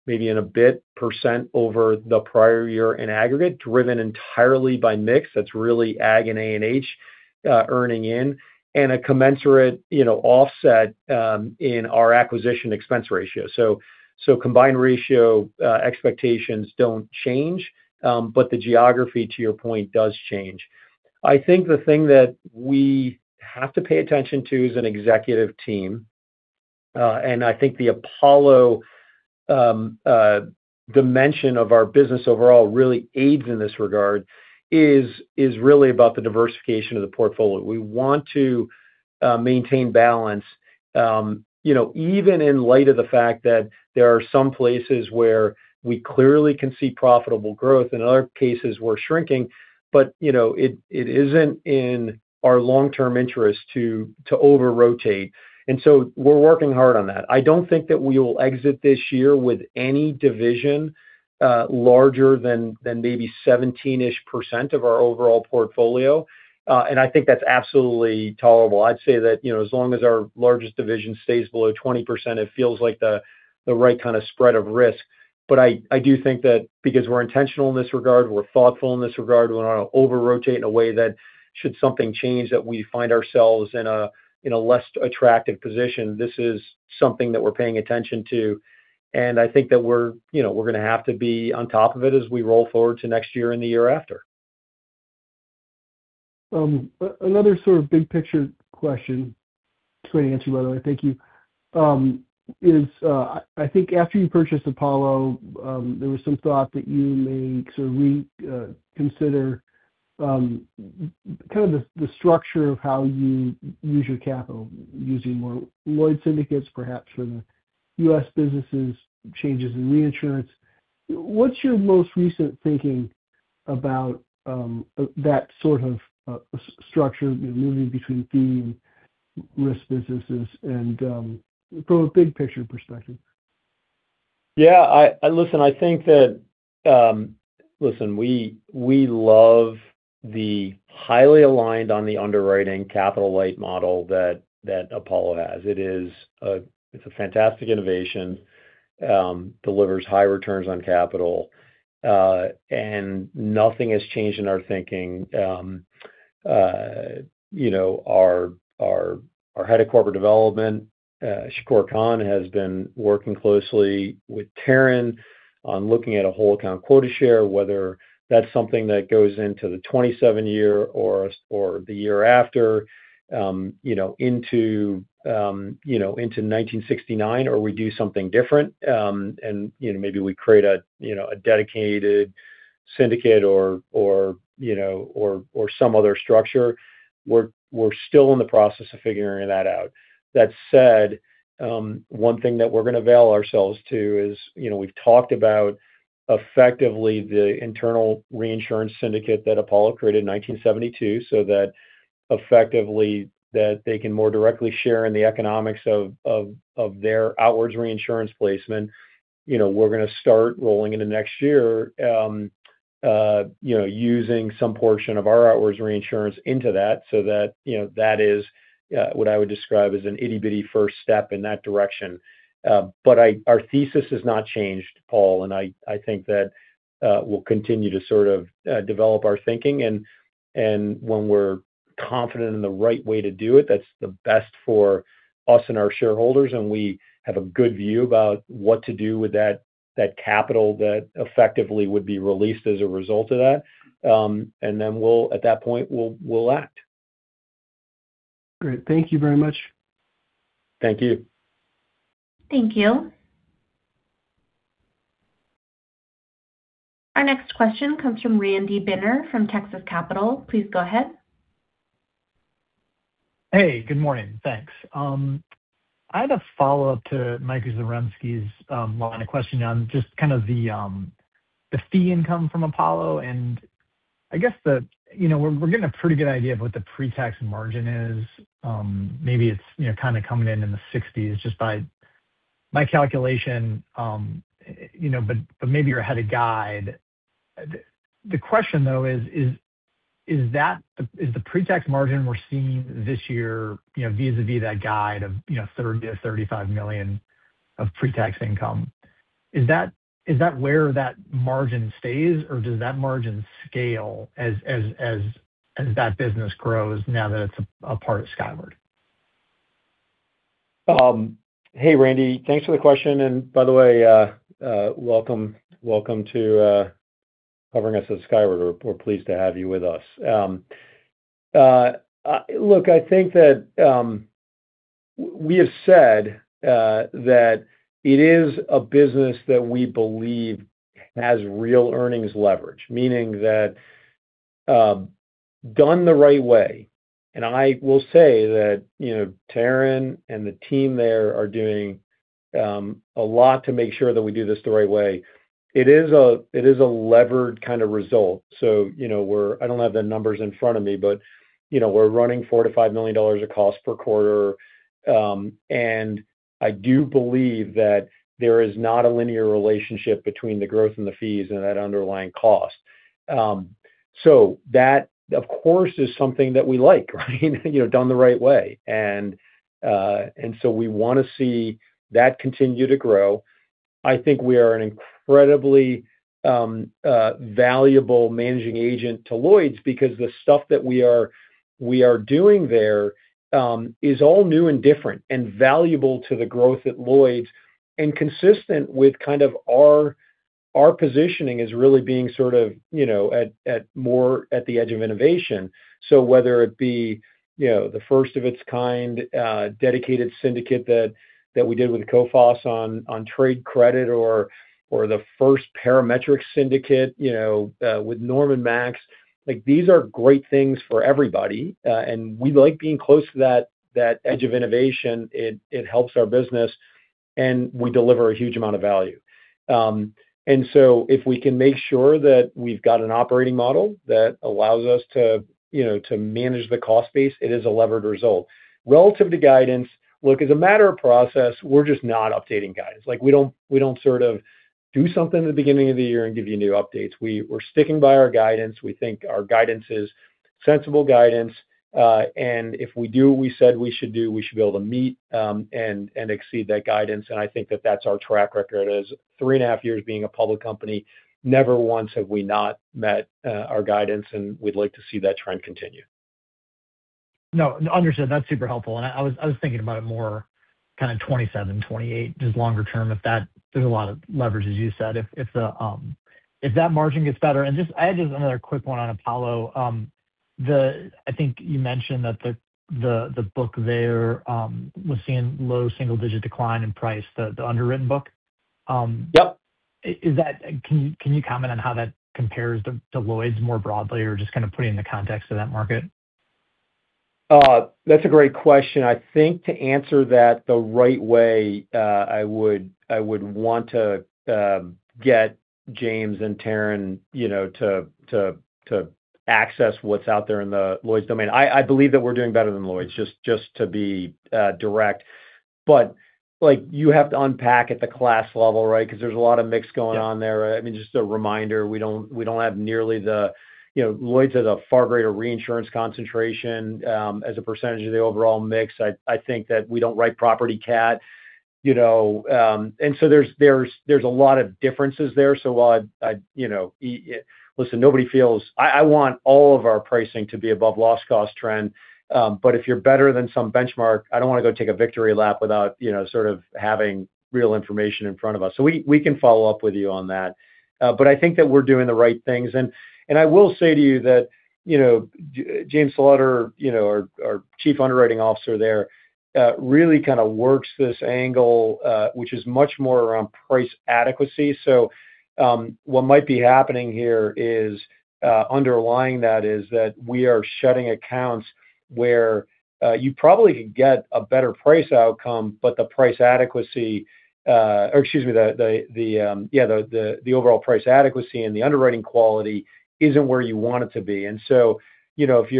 maybe in a bit percent over the prior year in aggregate, driven entirely by mix that's really AG and A&H earning in, and a commensurate offset in our acquisition expense ratio. Combined Ratio expectations don't change, the geography, to your point, does change. I think the thing that we have to pay attention to as an executive team, I think the Apollo dimension of our business overall really aids in this regard, is really about the diversification of the portfolio. We want to maintain balance even in light of the fac that there are some places where we clearly can see profitable growth and in other cases we're shrinking, it isn't in our long-term interest to over-rotate. We're working hard on that. I don't think that we will exit this year with any division larger than maybe 17-ish% of our overall portfolio. I think that's absolutely tolerable. I'd say that as long as our largest division stays below 20%, it feels like the right kind of spread of risk. I do think that because we're intentional in this regard, we're thoughtful in this regard, we're not going to over-rotate in a way that should something change, that we find ourselves in a less attractive position. This is something that we're paying attention to, and I think that we're going to have to be on top of it as we roll forward to next year and the year after. Another sort of big picture question, it's going to answer by the way, thank you, is I think after you purchased Apollo, there was some thought that you may sort of reconsider kind of the structure of how you use your capital using more Lloyd's syndicates, perhaps for the U.S. businesses, changes in reinsurance. What's your most recent thinking about that sort of structure moving between fee and risk businesses and from a big picture perspective? Listen, we love the highly aligned on the underwriting capital-light model that Apollo has. It's a fantastic innovation, delivers high returns on capital, nothing has changed in our thinking. Our head of corporate development, Shakoor Khan, has been working closely with Taryn on looking at a whole account quota share, whether that's something that goes into the 2027 year or the year after, into 1969 or we do something different. Maybe we create a dedicated syndicate or some other structure. We're still in the process of figuring that out. That said, one thing that we're going to avail ourselves to is we've talked about effectively the internal reinsurance syndicate that Apollo created in 1972, so that effectively that they can more directly share in the economics of their outwards reinsurance placement. We're going to start rolling into next year using some portion of our outwards reinsurance into that so that is what I would describe as an itty bitty first step in that direction. Our thesis has not changed, Paul, and I think that we'll continue to sort of develop our thinking, and when we're confident in the right way to do it that's the best for us and our shareholders, and we have a good view about what to do with that capital that effectively would be released as a result of that. Then at that point, we'll act. Great. Thank you very much. Thank you. Thank you. Our next question comes from Randy Binner from Texas Capital. Please go ahead. Hey, good morning. Thanks. I had a follow-up to Michael Zaremski's line of questioning on just kind of the fee income from Apollo. I guess we're getting a pretty good idea of what the pre-tax margin is. Maybe it's kind of coming in in the 60s, just by my calculation. Maybe you had a guide. The question though is the pre-tax margin we're seeing this year vis-á-vis that guide of $30 million-$35 million of pre-tax income, is that where that margin stays, or does that margin scale as that business grows now that it's a part of Skyward? Hey, Randy. Thanks for the question. Welcome to covering us at Skyward. We are pleased to have you with us. Look, I think that we have said that it is a business that we believe has real earnings leverage, meaning that done the right way, and I will say that Taryn and the team there are doing a lot to make sure that we do this the right way. It is a levered kind of result. I don't have the numbers in front of me, but we are running $4 million-$5 million of cost per quarter. I do believe that there is not a linear relationship between the growth and the fees and that underlying cost. That, of course, is something that we like done the right way. We want to see that continue to grow. I think we are an incredibly valuable managing agent to Lloyd's because the stuff that we are doing there is all new and different and valuable to the growth at Lloyd's and consistent with kind of our positioning as really being sort of more at the edge of innovation. Whether it be the first of its kind dedicated syndicate that we did with Coface on trade credit or the first parametric syndicate with NormanMax. These are great things for everybody. We like being close to that edge of innovation. It helps our business, and we deliver a huge amount of value. If we can make sure that we have got an operating model that allows us to manage the cost base, it is a levered result. Relative to guidance, look, as a matter of process, we are just not updating guidance. We don't sort of do something at the beginning of the year and give you new updates. We are sticking by our guidance. We think our guidance is sensible guidance. If we do what we said we should do, we should be able to meet and exceed that guidance, and I think that that's our track record is three and a half years being a public company, never once have we not met our guidance, and we would like to see that trend continue. No, understood. That's super helpful. I was thinking about it more kind of 2027, 2028, just longer term, if that there's a lot of leverage, as you said, if that margin gets better. I had just another quick one on Apollo. I think you mentioned that the book there was seeing low single-digit decline in price, the underwritten book. Yep. Can you comment on how that compares to Lloyd's more broadly or just kind of put it in the context of that market? That's a great question. I think to answer that the right way, I would want to get James and Taryn to access what's out there in the Lloyd's domain. I believe that we're doing better than Lloyd's, just to be direct. You have to unpack at the class level, right? Because there's a lot of mix going on there. Just a reminder, Lloyd's has a far greater reinsurance concentration as a percentage of the overall mix. I think that we don't write property cat. There's a lot of differences there. Listen, I want all of our pricing to be above loss cost trend. If you're better than some benchmark, I don't want to go take a victory lap without sort of having real information in front of us. We can follow-up with you on that. I think that we're doing the right things. I will say to you that James Slaughter, our Chief Underwriting Officer there really kind of works this angle which is much more around price adequacy. What might be happening here is underlying that is that we are shedding accounts where you probably could get a better price outcome, but the price adequacy or excuse me, the overall price adequacy and the underwriting quality isn't where you want it to be. If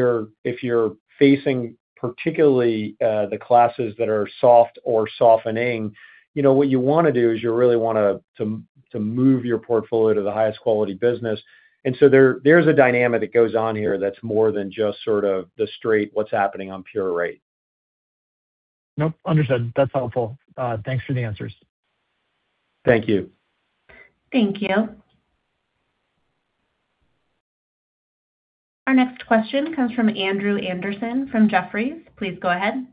you're facing particularly the classes that are soft or softening, what you want to do is you really want to move your portfolio to the highest quality business. There's a dynamic that goes on here that's more than just sort of the straight what's happening on pure rate. Nope. Understood. That's helpful. Thanks for the answers. Thank you. Thank you. Our next question comes from Andrew Andersen from Jefferies. Please go ahead.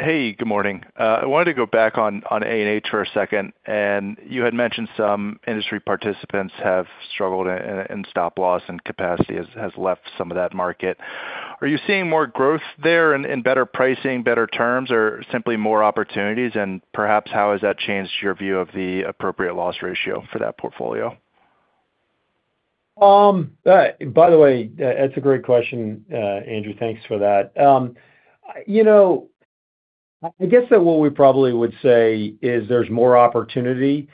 Hey, good morning. I wanted to go back on A&H for a second. You had mentioned some industry participants have struggled in stop loss and capacity has left some of that market. Are you seeing more growth there and better pricing, better terms, or simply more opportunities? And perhaps how has that changed your view of the appropriate loss ratio for that portfolio? By the way, that's a great question, Andrew. Thanks for that. I guess that what we probably would say is there's more opportunity.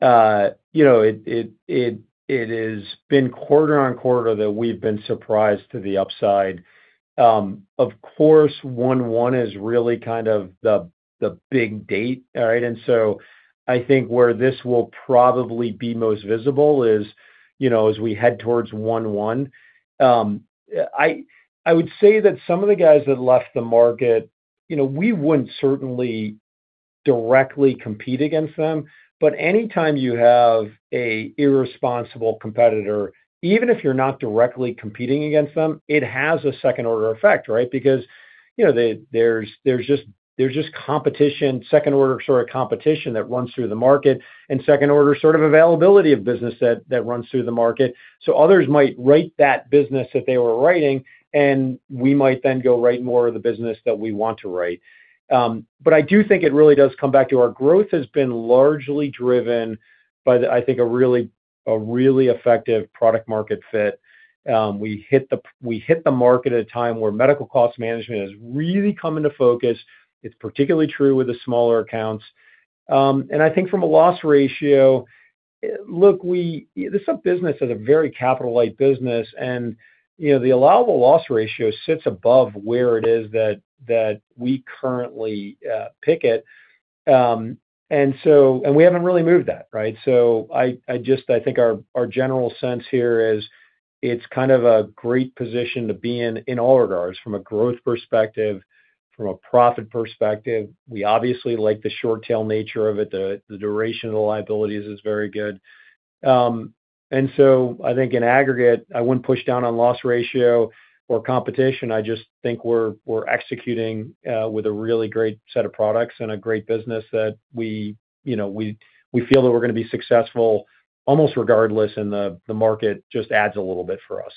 It has been quarter-on-quarter that we've been surprised to the upside. Of course, one-one is really kind of the big date. All right? I think where this will probably be most visible is as we head towards one-one. I would say that some of the guys that left the market, we wouldn't certainly directly compete against them. Anytime you have a irresponsible competitor, even if you're not directly competing against them, it has a second order effect, right? Because there's just second order competition that runs through the market, and second order availability of business that runs through the market. Others might write that business that they were writing, we might then go write more of the business that we want to write. I do think it really does come back to our growth has been largely driven by, I think, a really effective product market fit. We hit the market at a time where medical cost management has really come into focus. It's particularly true with the smaller accounts. I think from a loss ratio, look, this is a business that's a very capital-light business, the allowable loss ratio sits above where it is that we currently pick it. We haven't really moved that, right? I think our general sense here is it's kind of a great position to be in all regards, from a growth perspective, from a profit perspective. We obviously like the short tail nature of it. The duration of the liabilities is very good. I think in aggregate, I wouldn't push down on loss ratio or competition. I just think we're executing with a really great set of products and a great business that we feel that we're going to be successful almost regardless, the market just adds a little bit for us.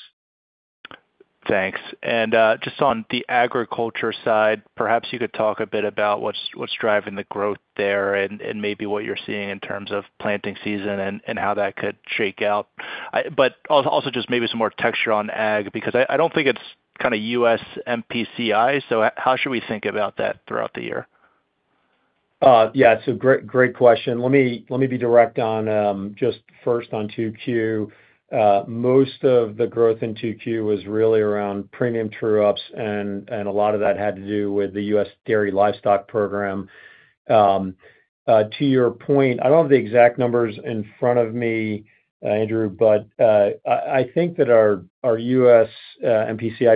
Thanks. Just on the agriculture side, perhaps you could talk a bit about what's driving the growth there and maybe what you're seeing in terms of planting season and how that could shake out. Also just maybe some more texture on ag, because I don't think it's U.S. MPCI, how should we think about that throughout the year? Yeah. It's a great question. Let me be direct on just first on 2Q. Most of the growth in 2Q was really around premium true-ups, a lot of that had to do with the U.S. dairy livestock program. To your point, I don't have the exact numbers in front of me, Andrew, but I think that our U.S. MPCI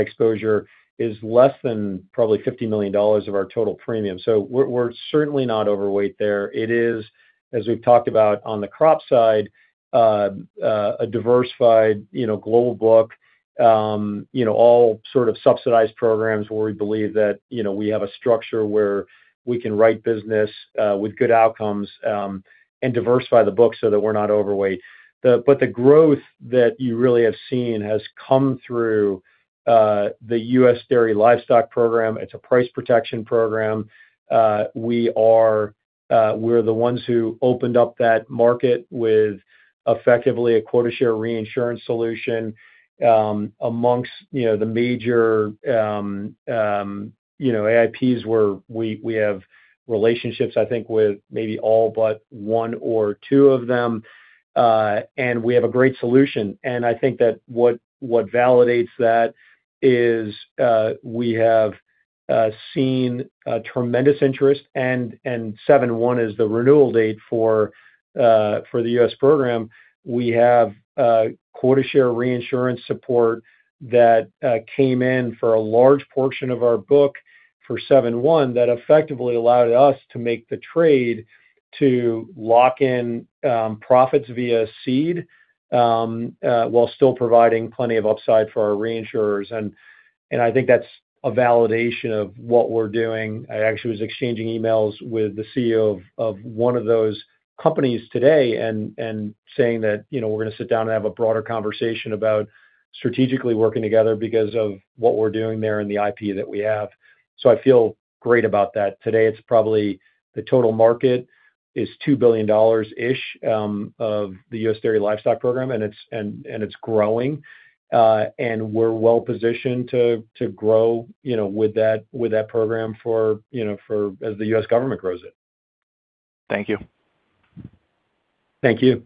exposure is less than probably $50 million of our total premium. We're certainly not overweight there. It is, as we've talked about on the crop side, a diversified global book all subsidized programs where we believe that we have a structure where we can write business with good outcomes and diversify the book so that we're not overweight. The growth that you really have seen has come through the U.S. dairy livestock program. It's a price protection program. We're the ones who opened up that market with effectively a quota share reinsurance solution amongst the major AIPs where we have relationships, I think, with maybe all but one or two of them. We have a great solution. I think that what validates that is we have seen tremendous interest, and 7/1 is the renewal date for the U.S. program. We have quota share reinsurance support that came in for a large portion of our book for 7/1 that effectively allowed us to make the trade to lock in profits via cede, while still providing plenty of upside for our reinsurers. I think that's a validation of what we're doing. I actually was exchanging emails with the CEO of one of those companies today and saying that we're going to sit down and have a broader conversation about strategically working together because of what we're doing there and the IP that we have. I feel great about that. Today, it's probably the total market is $2 billion-ish of the U.S. Dairy Livestock Program, and it's growing. We're well-positioned to grow with that program as the U.S. government grows it. Thank you. Thank you.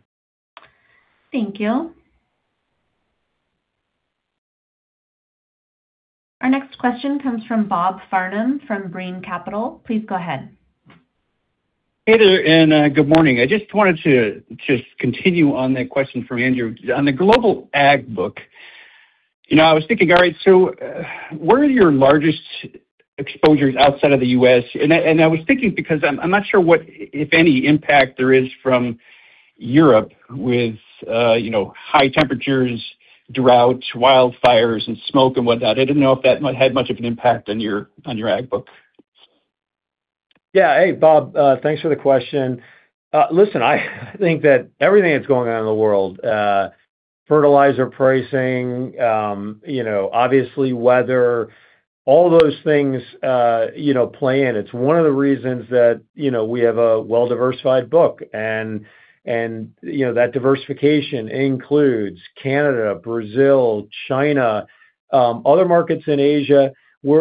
Thank you. Our next question comes from Bob Farnam from Brean Capital. Please go ahead. Hey there, good morning. I wanted to continue on that question from Andrew. On the global ag book, I was thinking, all right, where are your largest exposures outside of the U.S.? I was thinking because I'm not sure what, if any, impact there is from Europe with high temperatures, droughts, wildfires, and smoke and whatnot. I didn't know if that had much of an impact on your ag book. Yeah. Hey, Bob. Thanks for the question. Listen, I think that everything that's going on in the world, fertilizer pricing, obviously weather, all those things play in. It's one of the reasons that we have a well-diversified book. That diversification includes Canada, Brazil, China, other markets in Asia.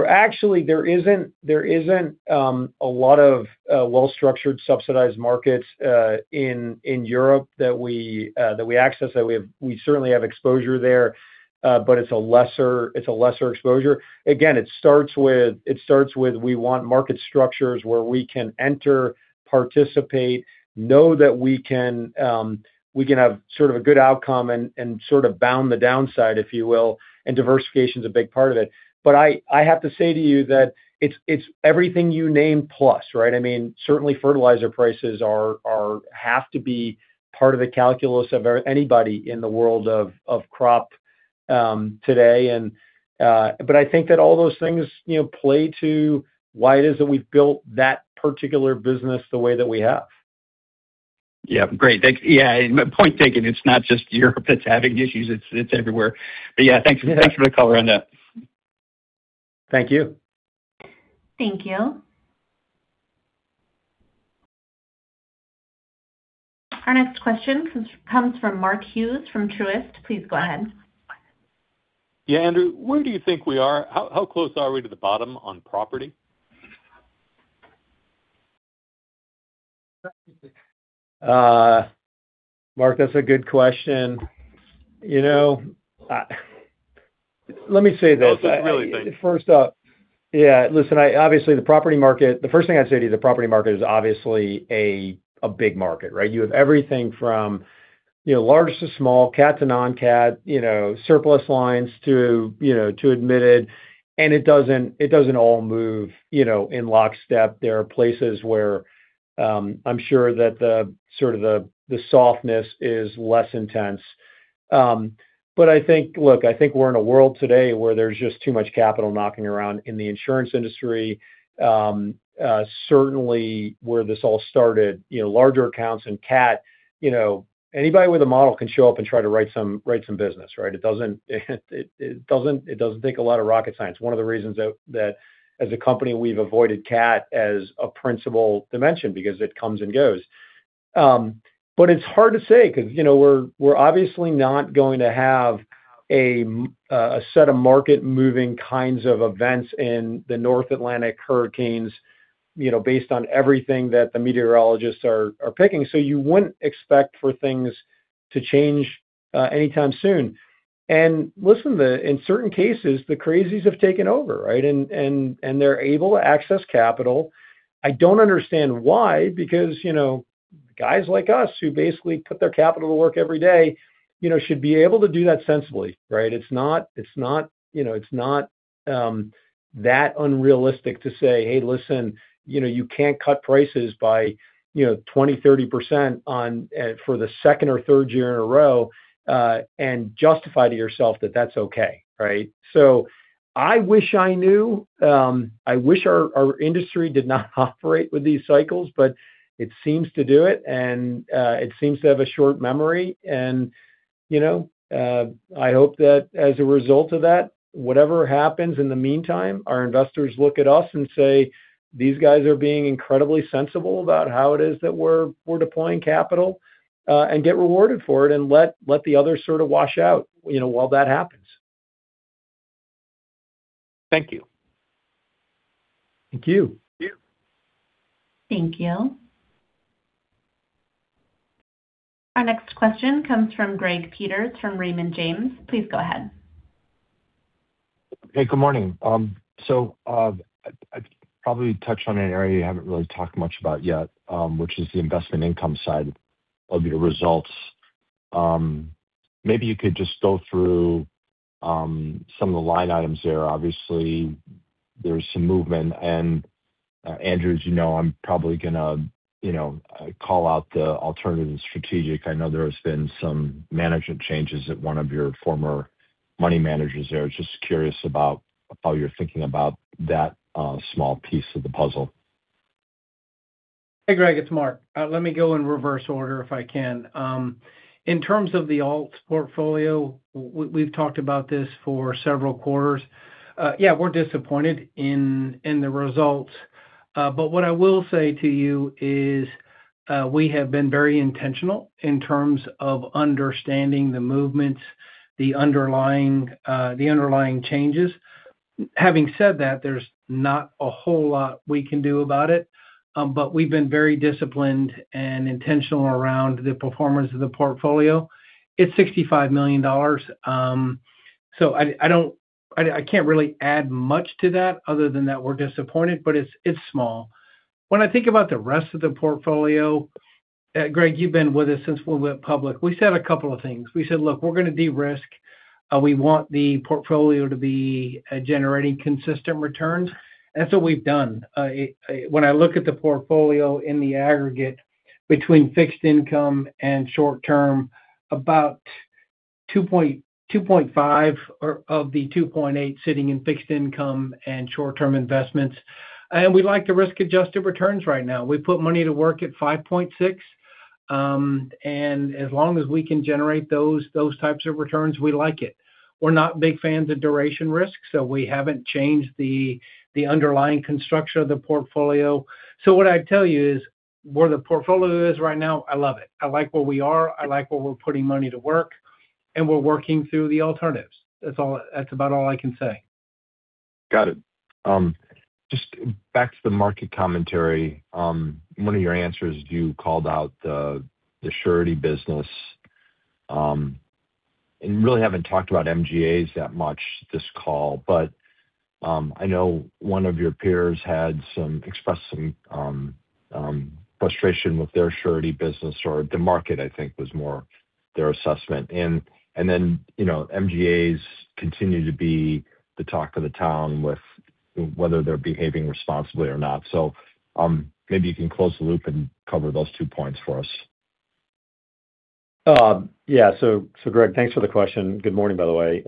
Actually, there isn't a lot of well-structured subsidized markets in Europe that we access, that we certainly have exposure there, but it's a lesser exposure. Again, it starts with we want market structures where we can enter, participate, know that we can have sort of a good outcome and sort of bound the downside, if you will, and diversification's a big part of it. I have to say to you that it's everything you named plus, right? Certainly fertilizer prices have to be part of the calculus of anybody in the world of crop today. I think that all those things play to why it is that we've built that particular business the way that we have. Great. Thanks. Point taken. It's not just Europe that's having issues, it's everywhere. Thanks for the color on that. Thank you. Thank you. Our next question comes from Mark Hughes from Truist. Please go ahead. Andrew, where do you think we are? How close are we to the bottom on property? Mark, that's a good question. Let me say this. I really think. First up, yeah, listen, obviously the property market, the first thing I'd say to you, the property market is obviously a big market, right? You have everything from large to small, CAT to non-CAT, surplus lines to admitted, and it doesn't all move in lockstep. There are places where I'm sure that the softness is less intense. Look, I think we're in a world today where there's just too much capital knocking around in the insurance industry, certainly where this all started, larger accounts and CAT. Anybody with a model can show up and try to write some business, right? It doesn't take a lot of rocket science. One of the reasons that as a company, we've avoided CAT as a principal dimension because it comes and goes. It's hard to say because we're obviously not going to have a set of market-moving kinds of events in the North Atlantic hurricanes based on everything that the meteorologists are picking. You wouldn't expect for things to change anytime soon. Listen, in certain cases, the crazies have taken over, right? They're able to access capital. I don't understand why, because guys like us who basically put their capital to work every day should be able to do that sensibly, right? It's not that unrealistic to say, "Hey, listen, you can't cut prices by 20, 30% for the second or third year in a row and justify to yourself that that's okay," right? I wish I knew. I wish our industry did not operate with these cycles, but it seems to do it, and it seems to have a short memory. I hope that as a result of that, whatever happens in the meantime, our investors look at us and say, "These guys are being incredibly sensible about how it is that we're deploying capital," and get rewarded for it and let the others sort of wash out while that happens. Thank you. Thank you. Thank you. Thank you. Our next question comes from Greg Peters from Raymond James. Please go ahead. Hey, good morning. I'd probably touch on an area you haven't really talked much about yet, which is the investment income side of your results. Maybe you could just go through some of the line items there. Obviously, there's some movement. Andrew, as you know, I'm probably going to call out the alternative strategic. I know there has been some management changes at one of your former money managers there. Just curious about how you're thinking about that small piece of the puzzle. Hey, Greg, it's Mark. Let me go in reverse order if I can. In terms of the alts portfolio, we've talked about this for several quarters. Yeah, we're disappointed in the results. What I will say to you is we have been very intentional in terms of understanding the movements, the underlying changes. Having said that, there's not a whole lot we can do about it. We've been very disciplined and intentional around the performance of the portfolio. It's $65 million. I can't really add much to that other than that we're disappointed, but it's small. When I think about the rest of the portfolio, Greg, you've been with us since we went public. We said a couple of things. We said, "Look, we're going to de-risk. We want the portfolio to be generating consistent returns." That's what we've done. When I look at the portfolio in the aggregate between fixed income and short-term, about 2.5 of the 2.8 sitting in fixed income and short-term investments. We like the risk-adjusted returns right now. We put money to work at 5.6%. As long as we can generate those types of returns, we like it. We're not big fans of duration risk, we haven't changed the underlying construction of the portfolio. What I'd tell you is where the portfolio is right now, I love it. I like where we are, I like where we're putting money to work, and we're working through the alternatives. That's about all I can say. Got it. Just back to the market commentary. In one of your answers, you called out the surety business. Really haven't talked about MGAs that much this call, but I know one of your peers had expressed some frustration with their surety business or the market, I think, was more their assessment. Then MGAs continue to be the talk of the town with whether they're behaving responsibly or not. Maybe you can close the loop and cover those two points for us. Yeah. Greg, thanks for the question. Good morning, by the way.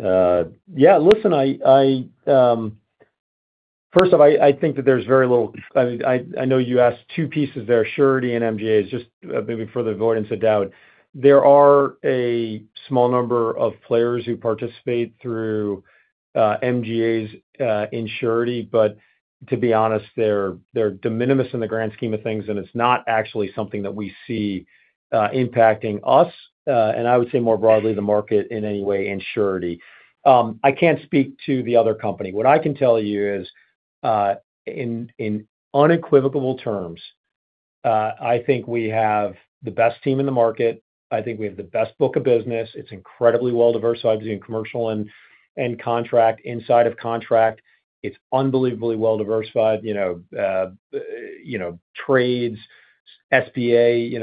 Listen, first off, I know you asked two pieces there, surety and MGAs. Just maybe for the avoidance of doubt, there are a small number of players who participate through MGAs in surety, but to be honest, they're de minimis in the grand scheme of things, and it's not actually something that we see impacting us. I would say more broadly, the market in any way, in surety. I can't speak to the other company. What I can tell you is, in unequivocally terms, I think we have the best team in the market. I think we have the best book of business. It's incredibly well-diversified between commercial and contract, inside of contract. It's unbelievably well-diversified, trades, SBA,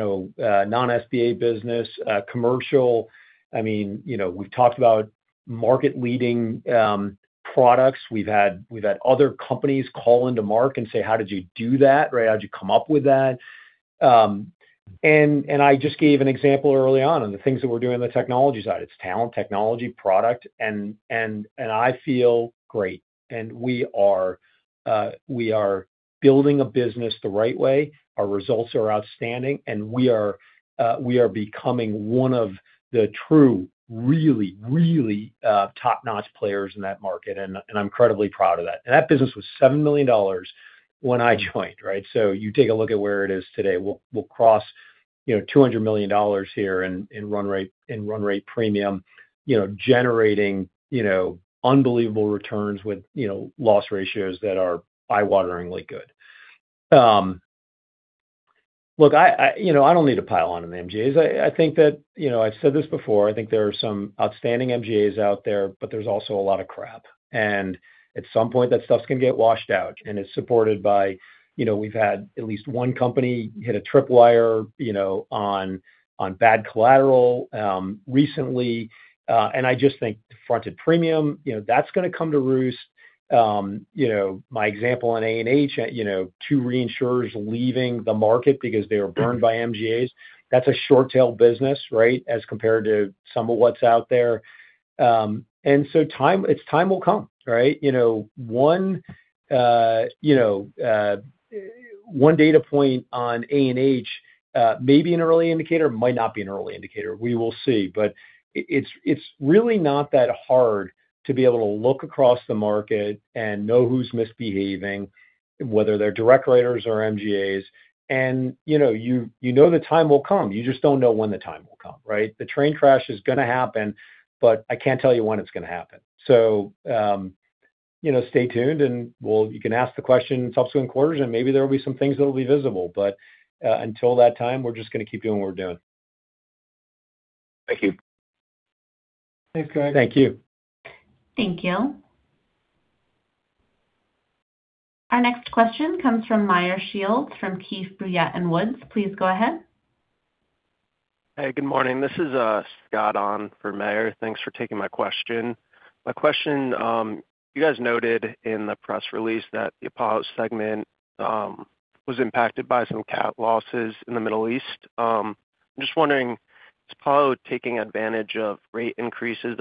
non-SBA business, commercial. We've talked about market-leading products. We've had other companies call into Mark and say, "How did you do that?" Right? "How'd you come up with that?" I just gave an example early on the things that we're doing on the technology side. It's talent, technology, product, and I feel great. We are building a business the right way. Our results are outstanding, and we are becoming one of the true, really top-notch players in that market, and I'm incredibly proud of that. That business was $7 million when I joined, right? You take a look at where it is today. We'll cross $200 million here in run rate premium, generating unbelievable returns with loss ratios that are eye-wateringly good. Look, I don't need to pile on the MGAs. I've said this before, I think there are some outstanding MGAs out there, but there's also a lot of crap. At some point that stuff's going to get washed out, and it's supported by, we've had at least one company hit a trip wire on bad collateral recently. I just think fronted premium, that's going to come to roost. My example on A&H, two reinsurers leaving the market because they were burned by MGAs. That's a short-tail business, right, as compared to some of what's out there. Its time will come, right? One data point on A&H may be an early indicator, might not be an early indicator. We will see. But it's really not that hard to be able to look across the market and know who's misbehaving, whether they're direct writers or MGAs. You know the time will come. You just don't know when the time will come, right? The train crash is going to happen, but I can't tell you when it's going to happen. Stay tuned and you can ask the question in subsequent quarters, and maybe there will be some things that'll be visible. Until that time, we're just going to keep doing what we're doing. Thank you. Thanks, Greg. Thank you. Thank you. Our next question comes from Meyer Shields from Keefe, Bruyette & Woods. Please go ahead. Hey, good morning. This is Scott on for Meyer. Thanks for taking my question. My question, you guys noted in the press release that the Apollo segment was impacted by some cat losses in the Middle East. I'm just wondering, is Apollo taking advantage of rate increases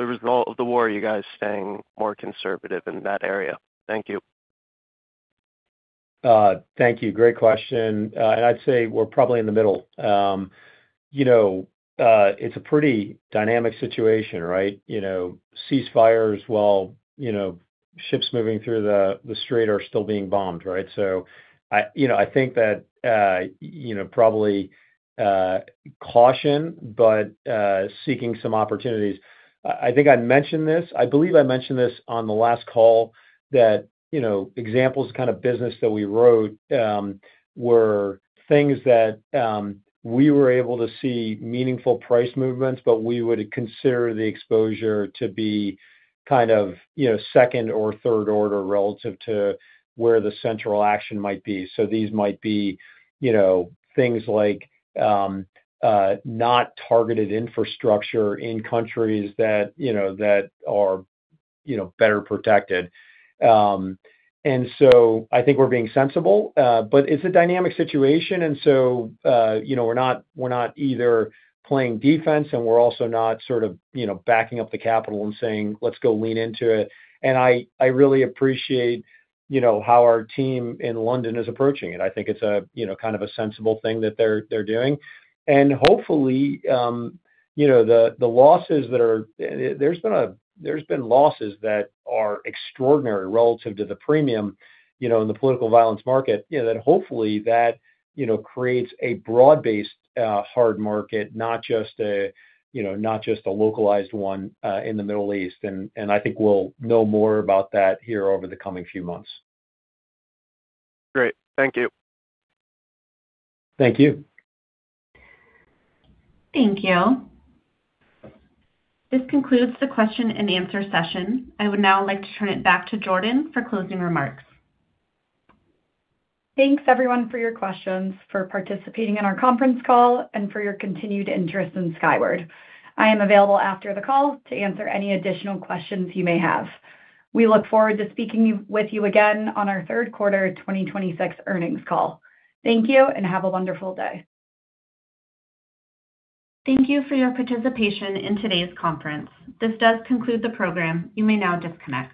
as a result of the war? Are you guys staying more conservative in that area? Thank you. Thank you. Great question. I'd say we're probably in the middle. It's a pretty dynamic situation, right? Ceasefires while ships moving through the strait are still being bombed, right? I think that probably caution, but seeking some opportunities. I think I mentioned this. I believe I mentioned this on the last call that examples of kind of business that we wrote were things that we were able to see meaningful price movements, but we would consider the exposure to be kind of second or third order relative to where the central action might be. These might be things like not targeted infrastructure in countries that are better protected. I think we're being sensible. It's a dynamic situation, we're not either playing defense, and we're also not sort of backing up the capital and saying, "Let's go lean into it." I really appreciate how our team in London is approaching it. I think it's kind of a sensible thing that they're doing. Hopefully, the losses that are extraordinary relative to the premium in the political violence market, that hopefully that creates a broad-based hard market, not just a localized one in the Middle East. I think we'll know more about that here over the coming few months. Great. Thank you. Thank you. Thank you. This concludes the question-and-answer session. I would now like to turn it back to Jordan for closing remarks. Thanks everyone for your questions, for participating in our conference call, and for your continued interest in Skyward. I am available after the call to answer any additional questions you may have. We look forward to speaking with you again on our third quarter 2026 earnings call. Thank you, and have a wonderful day. Thank you for your participation in today's conference. This does conclude the program. You may now disconnect.